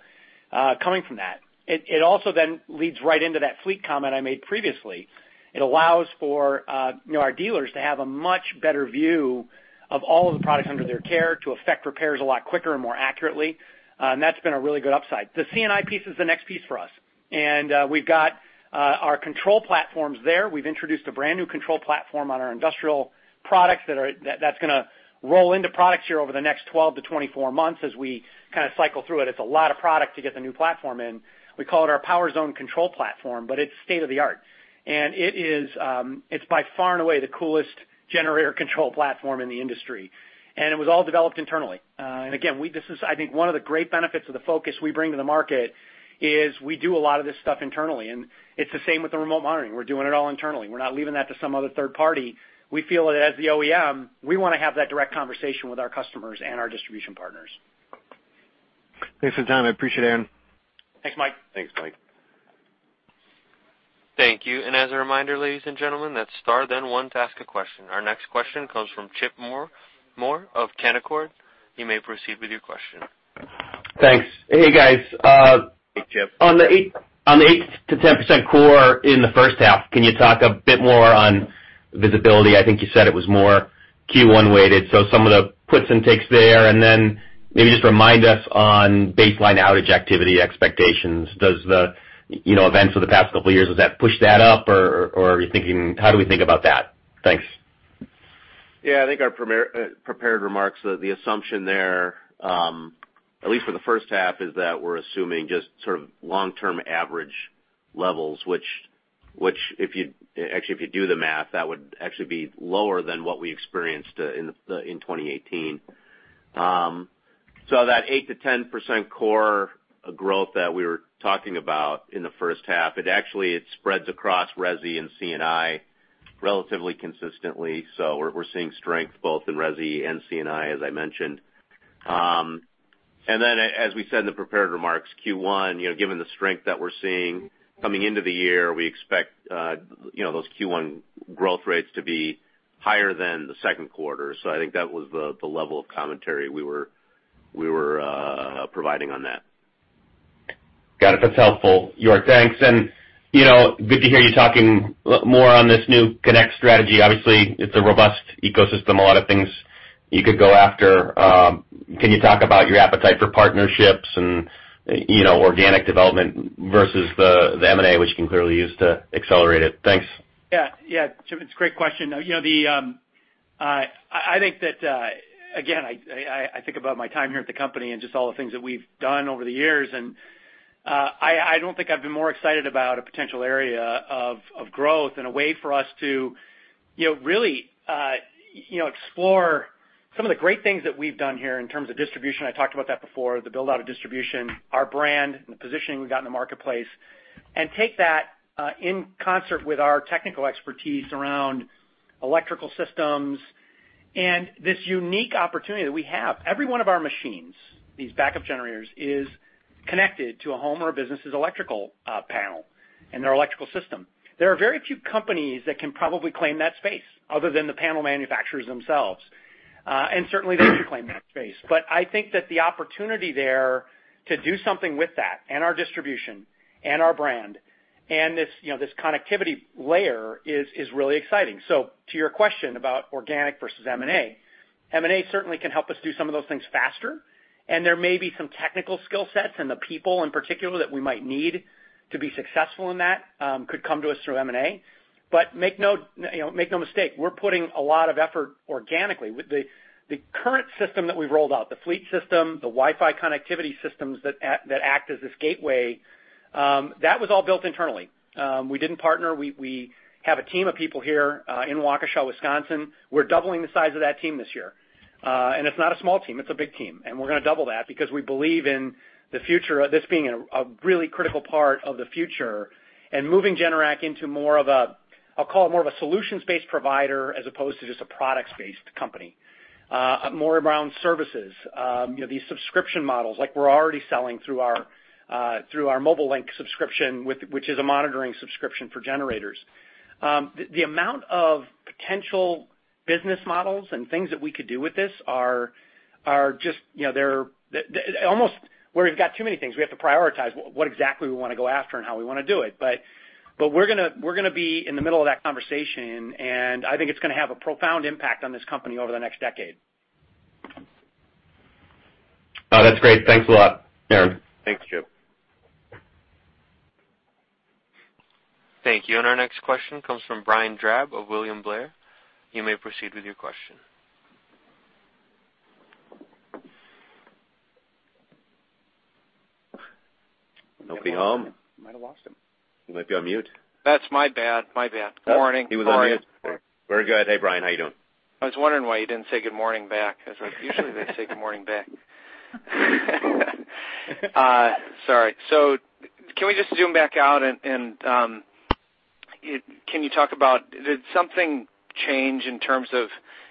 coming from that. It also then leads right into that Fleet comment I made previously. It allows for our dealers to have a much better view of all of the products under their care to affect repairs a lot quicker and more accurately. That's been a really good upside. The C&I piece is the next piece for us, and we've got our control platforms there. We've introduced a brand-new control platform on our industrial products that's going to roll into products here over the next 12-24 months as we kind of cycle through it. It's a lot of product to get the new platform in. We call it our Power Zone control platform, but it's state-of-the-art. It's by far and away the coolest generator control platform in the industry. It was all developed internally. Again, this is, I think, one of the great benefits of the focus we bring to the market is we do a lot of this stuff internally, and it's the same with the remote monitoring. We're doing it all internally. We're not leaving that to some other third party. We feel that as the OEM, we want to have that direct conversation with our customers and our distribution partners. Thanks for the time. I appreciate it, Aaron. Thanks, Mike. Thanks, Mike. Thank you. As a reminder, ladies and gentlemen, that's star then one to ask a question. Our next question comes from Chip Moore of Canaccord. You may proceed with your question. Thanks. Hey, guys. Hey, Chip. On the 8%-10% core in the first half, can you talk a bit more on visibility? I think you said it was more Q1 weighted. Some of the puts and takes there, and then maybe just remind us on baseline outage activity expectations. Does the events of the past couple of years, does that push that up, or how do we think about that? Thanks. Yeah. I think our prepared remarks, the assumption there, at least for the first half, is that we're assuming just sort of long-term average levels, which actually, if you do the math, that would actually be lower than what we experienced in 2018. That 8%-10% core growth that we were talking about in the first half, it actually spreads across Resi and C&I relatively consistently. We're seeing strength both in Resi and C&I, as I mentioned. As we said in the prepared remarks, Q1, given the strength that we're seeing coming into the year, we expect those Q1 growth rates to be higher than the second quarter. I think that was the level of commentary we were providing on that. Got it. That's helpful, York. Thanks. Good to hear you talking more on this new Connect strategy. Obviously, it's a robust ecosystem, a lot of things you could go after. Can you talk about your appetite for partnerships and organic development versus the M&A, which you can clearly use to accelerate it? Thanks. Yeah. Chip, it's a great question. Again, I think about my time here at the company and just all the things that we've done over the years, I don't think I've been more excited about a potential area of growth and a way for us to really explore some of the great things that we've done here in terms of distribution. I talked about that before, the build-out of distribution, our brand, and the positioning we've got in the marketplace, and take that in concert with our technical expertise around electrical systems and this unique opportunity that we have. Every one of our machines, these backup generators, is connected to a home or a business's electrical panel and their electrical system. There are very few companies that can probably claim that space other than the panel manufacturers themselves. Certainly there's a claim in that space. I think that the opportunity there to do something with that, and our distribution, and our brand, and this connectivity layer is really exciting. To your question about organic versus M&A, M&A certainly can help us do some of those things faster, and there may be some technical skill sets and the people in particular that we might need to be successful in that could come to us through M&A. Make no mistake, we're putting a lot of effort organically. The current system that we've rolled out, the Fleet system, the Wi-Fi connectivity systems that act as this gateway, that was all built internally. We didn't partner. We have a team of people here in Waukesha, Wisconsin. We're doubling the size of that team this year. It's not a small team, it's a big team. We're going to double that because we believe in this being a really critical part of the future and moving Generac into more of a, I'll call it more of a solutions-based provider as opposed to just a products-based company. More around services. These subscription models, like we're already selling through our Mobile Link subscription, which is a monitoring subscription for generators. The amount of potential business models and things that we could do with this are almost where we've got too many things. We have to prioritize what exactly we want to go after and how we want to do it. We're going to be in the middle of that conversation. I think it's going to have a profound impact on this company over the next decade. No, that's great. Thanks a lot, Aaron. Thanks, Chip. Thank you. Our next question comes from Brian Drab of William Blair. You may proceed with your question. Nobody home. Might have lost him. He might be on mute. That's my bad. Good morning. He was on mute. Very good. Hey, Brian. How you doing? I was wondering why you didn't say good morning back, because usually they say good morning back. Sorry. Can we just zoom back out and can you talk about did something change in terms of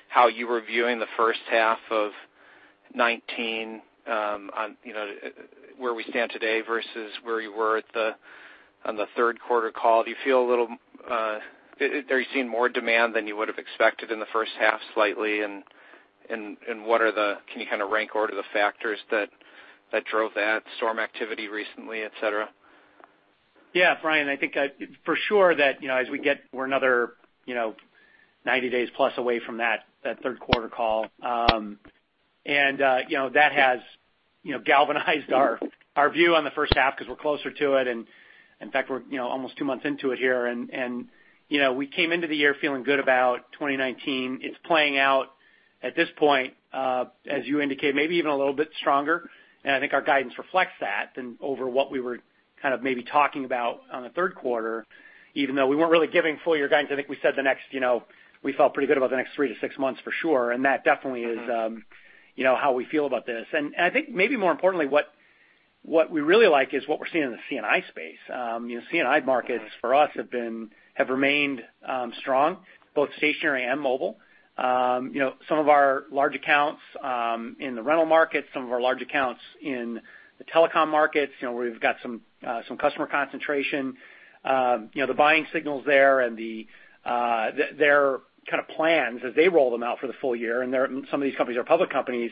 how you were viewing the first half of 2019, on where we stand today versus where you were on the third quarter call? Are you seeing more demand than you would have expected in the first half slightly? Can you kind of rank order the factors that drove that storm activity recently, et cetera? Yeah, Brian, I think for sure that as we get, we're another 90 days plus away from that third quarter call. That has galvanized our view on the first half because we're closer to it. In fact, we're almost two months into it here. We came into the year feeling good about 2019. It's playing out at this point, as you indicate, maybe even a little bit stronger. I think our guidance reflects that over what we were kind of maybe talking about on the third quarter, even though we weren't really giving full year guidance. I think we said we felt pretty good about the next three to six months for sure. That definitely is how we feel about this. I think maybe more importantly, what we really like is what we're seeing in the C&I space. C&I markets for us have remained strong, both stationary and mobile. Some of our large accounts in the rental markets, some of our large accounts in the telecom markets where we've got some customer concentration. The buying signals there and their kind of plans as they roll them out for the full year, and some of these companies are public companies,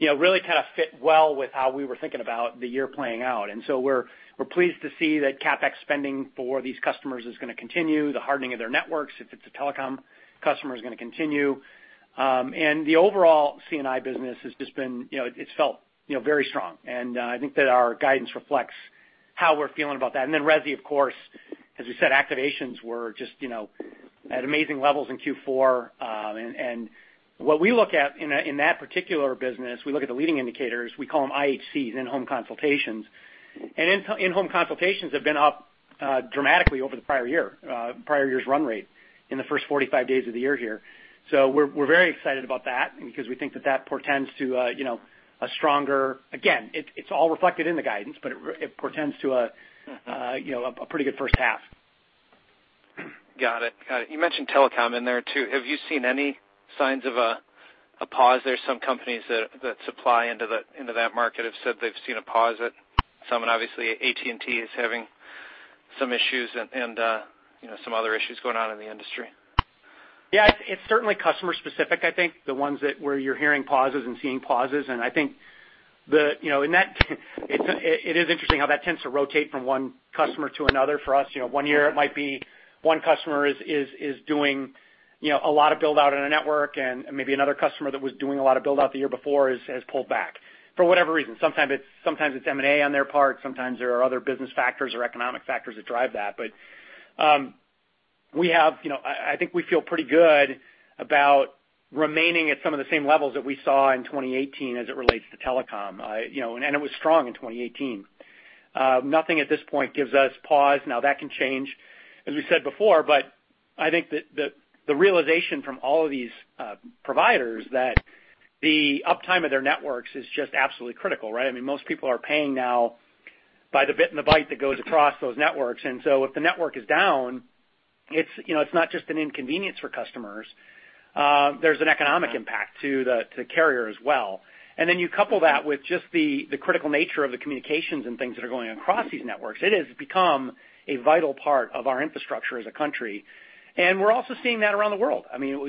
really kind of fit well with how we were thinking about the year playing out. We're pleased to see that CapEx spending for these customers is going to continue. The hardening of their networks, if it's a telecom customer, is going to continue. The overall C&I business it's felt very strong. I think that our guidance reflects how we're feeling about that. Then Resi, of course, as you said, activations were just at amazing levels in Q4. What we look at in that particular business, we look at the leading indicators, we call them IHCs, in-home consultations. In-home consultations have been up dramatically over the prior year's run rate in the first 45 days of the year here. We're very excited about that because we think that that portends to a stronger, again, it's all reflected in the guidance, but it portends to a pretty good first half. Got it. You mentioned telecom in there too. Have you seen any signs of a pause there? Some companies that supply into that market have said they've seen a pause at some, and obviously AT&T is having some issues and some other issues going on in the industry. It's certainly customer specific, I think. The ones that where you're hearing pauses and seeing pauses, I think it is interesting how that tends to rotate from one customer to another for us. One year it might be one customer is doing a lot of build out in a network and maybe another customer that was doing a lot of build out the year before has pulled back for whatever reason. Sometimes it's M&A on their part. Sometimes there are other business factors or economic factors that drive that. I think we feel pretty good about remaining at some of the same levels that we saw in 2018 as it relates to telecom. It was strong in 2018. Nothing at this point gives us pause. That can change, as we said before, I think that the realization from all of these providers that the uptime of their networks is just absolutely critical, right? I mean, most people are paying now by the bit and the byte that goes across those networks. If the network is down, it's not just an inconvenience for customers. There's an economic impact to the carrier as well. Then you couple that with just the critical nature of the communications and things that are going across these networks. It has become a vital part of our infrastructure as a country. We're also seeing that around the world.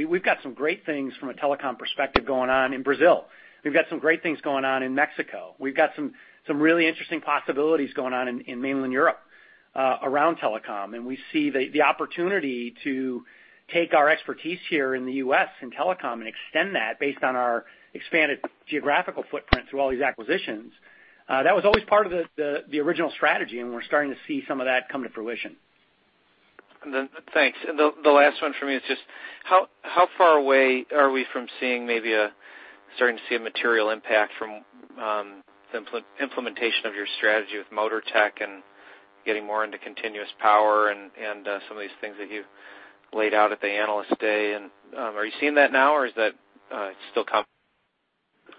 We've got some great things from a telecom perspective going on in Brazil. We've got some great things going on in Mexico. We've got some really interesting possibilities going on in mainland Europe around telecom, and we see the opportunity to take our expertise here in the U.S. in telecom and extend that based on our expanded geographical footprint through all these acquisitions. That was always part of the original strategy, and we're starting to see some of that come to fruition. Thanks. The last one from me is just how far away are we from seeing maybe starting to see a material impact from the implementation of your strategy with Motortech and getting more into continuous power and some of these things that you laid out at the Analyst Day, and are you seeing that now, or is that still coming?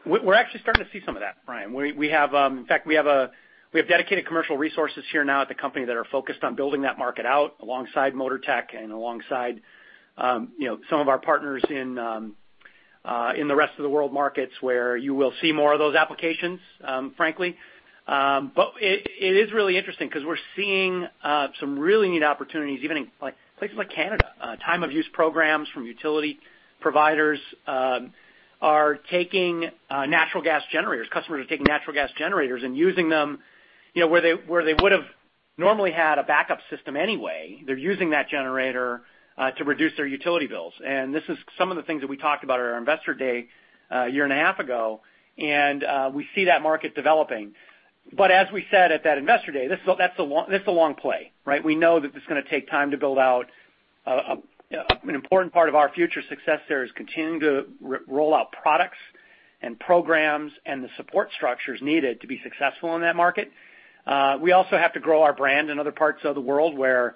We're actually starting to see some of that, Brian. In fact, we have dedicated commercial resources here now at the company that are focused on building that market out alongside Motortech and alongside some of our partners in the rest of the world markets where you will see more of those applications, frankly. It is really interesting because we're seeing some really neat opportunities even in places like Canada. Time of use programs from utility providers are taking natural gas generators. Customers are taking natural gas generators and using them where they would've normally had a backup system anyway, they're using that generator to reduce their utility bills. This is some of the things that we talked about at our Investor Day, a year and a half ago, and we see that market developing. As we said at that Investor Day, that's the long play, right? We know that this is going to take time to build out. An important part of our future success there is continuing to roll out products and programs and the support structures needed to be successful in that market. We also have to grow our brand in other parts of the world where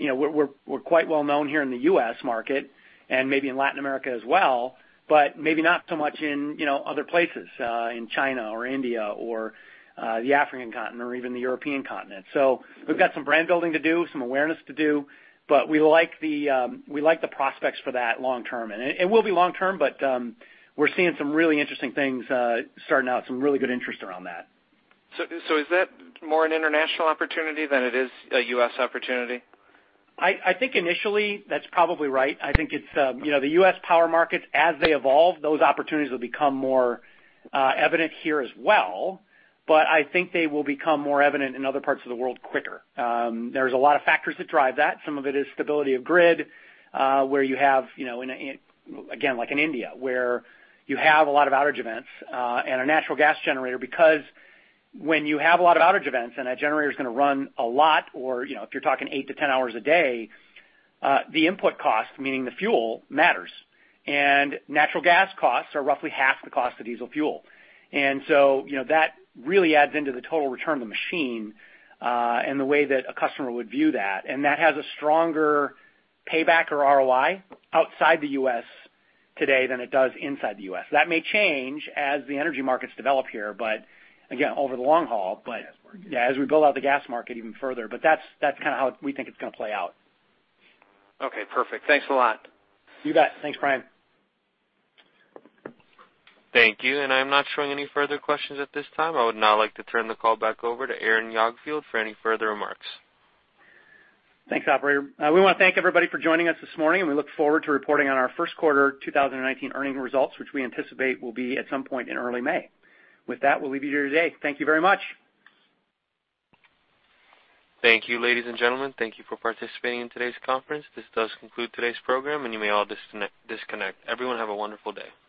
we're quite well-known here in the U.S. market and maybe in Latin America as well, but maybe not so much in other places, in China or India or the African continent or even the European continent. We've got some brand building to do, some awareness to do, but we like the prospects for that long term. It will be long term, but we're seeing some really interesting things starting out, some really good interest around that. Is that more an international opportunity than it is a U.S. opportunity? I think initially, that's probably right. I think the U.S. power markets, as they evolve, those opportunities will become more evident here as well. I think they will become more evident in other parts of the world quicker. There's a lot of factors that drive that. Some of it is stability of grid, where you have, again, like in India, where you have a lot of outage events, and a natural gas generator, because when you have a lot of outage events and that generator's gonna run a lot, or if you're talking eight to 10 hours a day, the input cost, meaning the fuel, matters. Natural gas costs are roughly half the cost of diesel fuel. That really adds into the total return of the machine, and the way that a customer would view that, and that has a stronger payback or ROI outside the U.S. today than it does inside the U.S. That may change as the energy markets develop here, but again, over the long haul. Gas market. Yeah, as we build out the gas market even further. That's kind of how we think it's going to play out. Okay, perfect. Thanks a lot. You bet. Thanks, Brian. Thank you. I'm not showing any further questions at this time. I would now like to turn the call back over to Aaron Jagdfeld for any further remarks. Thanks, operator. We want to thank everybody for joining us this morning. We look forward to reporting on our first quarter 2019 earnings results, which we anticipate will be at some point in early May. With that, we'll leave you here today. Thank you very much. Thank you, ladies and gentlemen. Thank you for participating in today's conference. This does conclude today's program. You may all disconnect. Everyone have a wonderful day.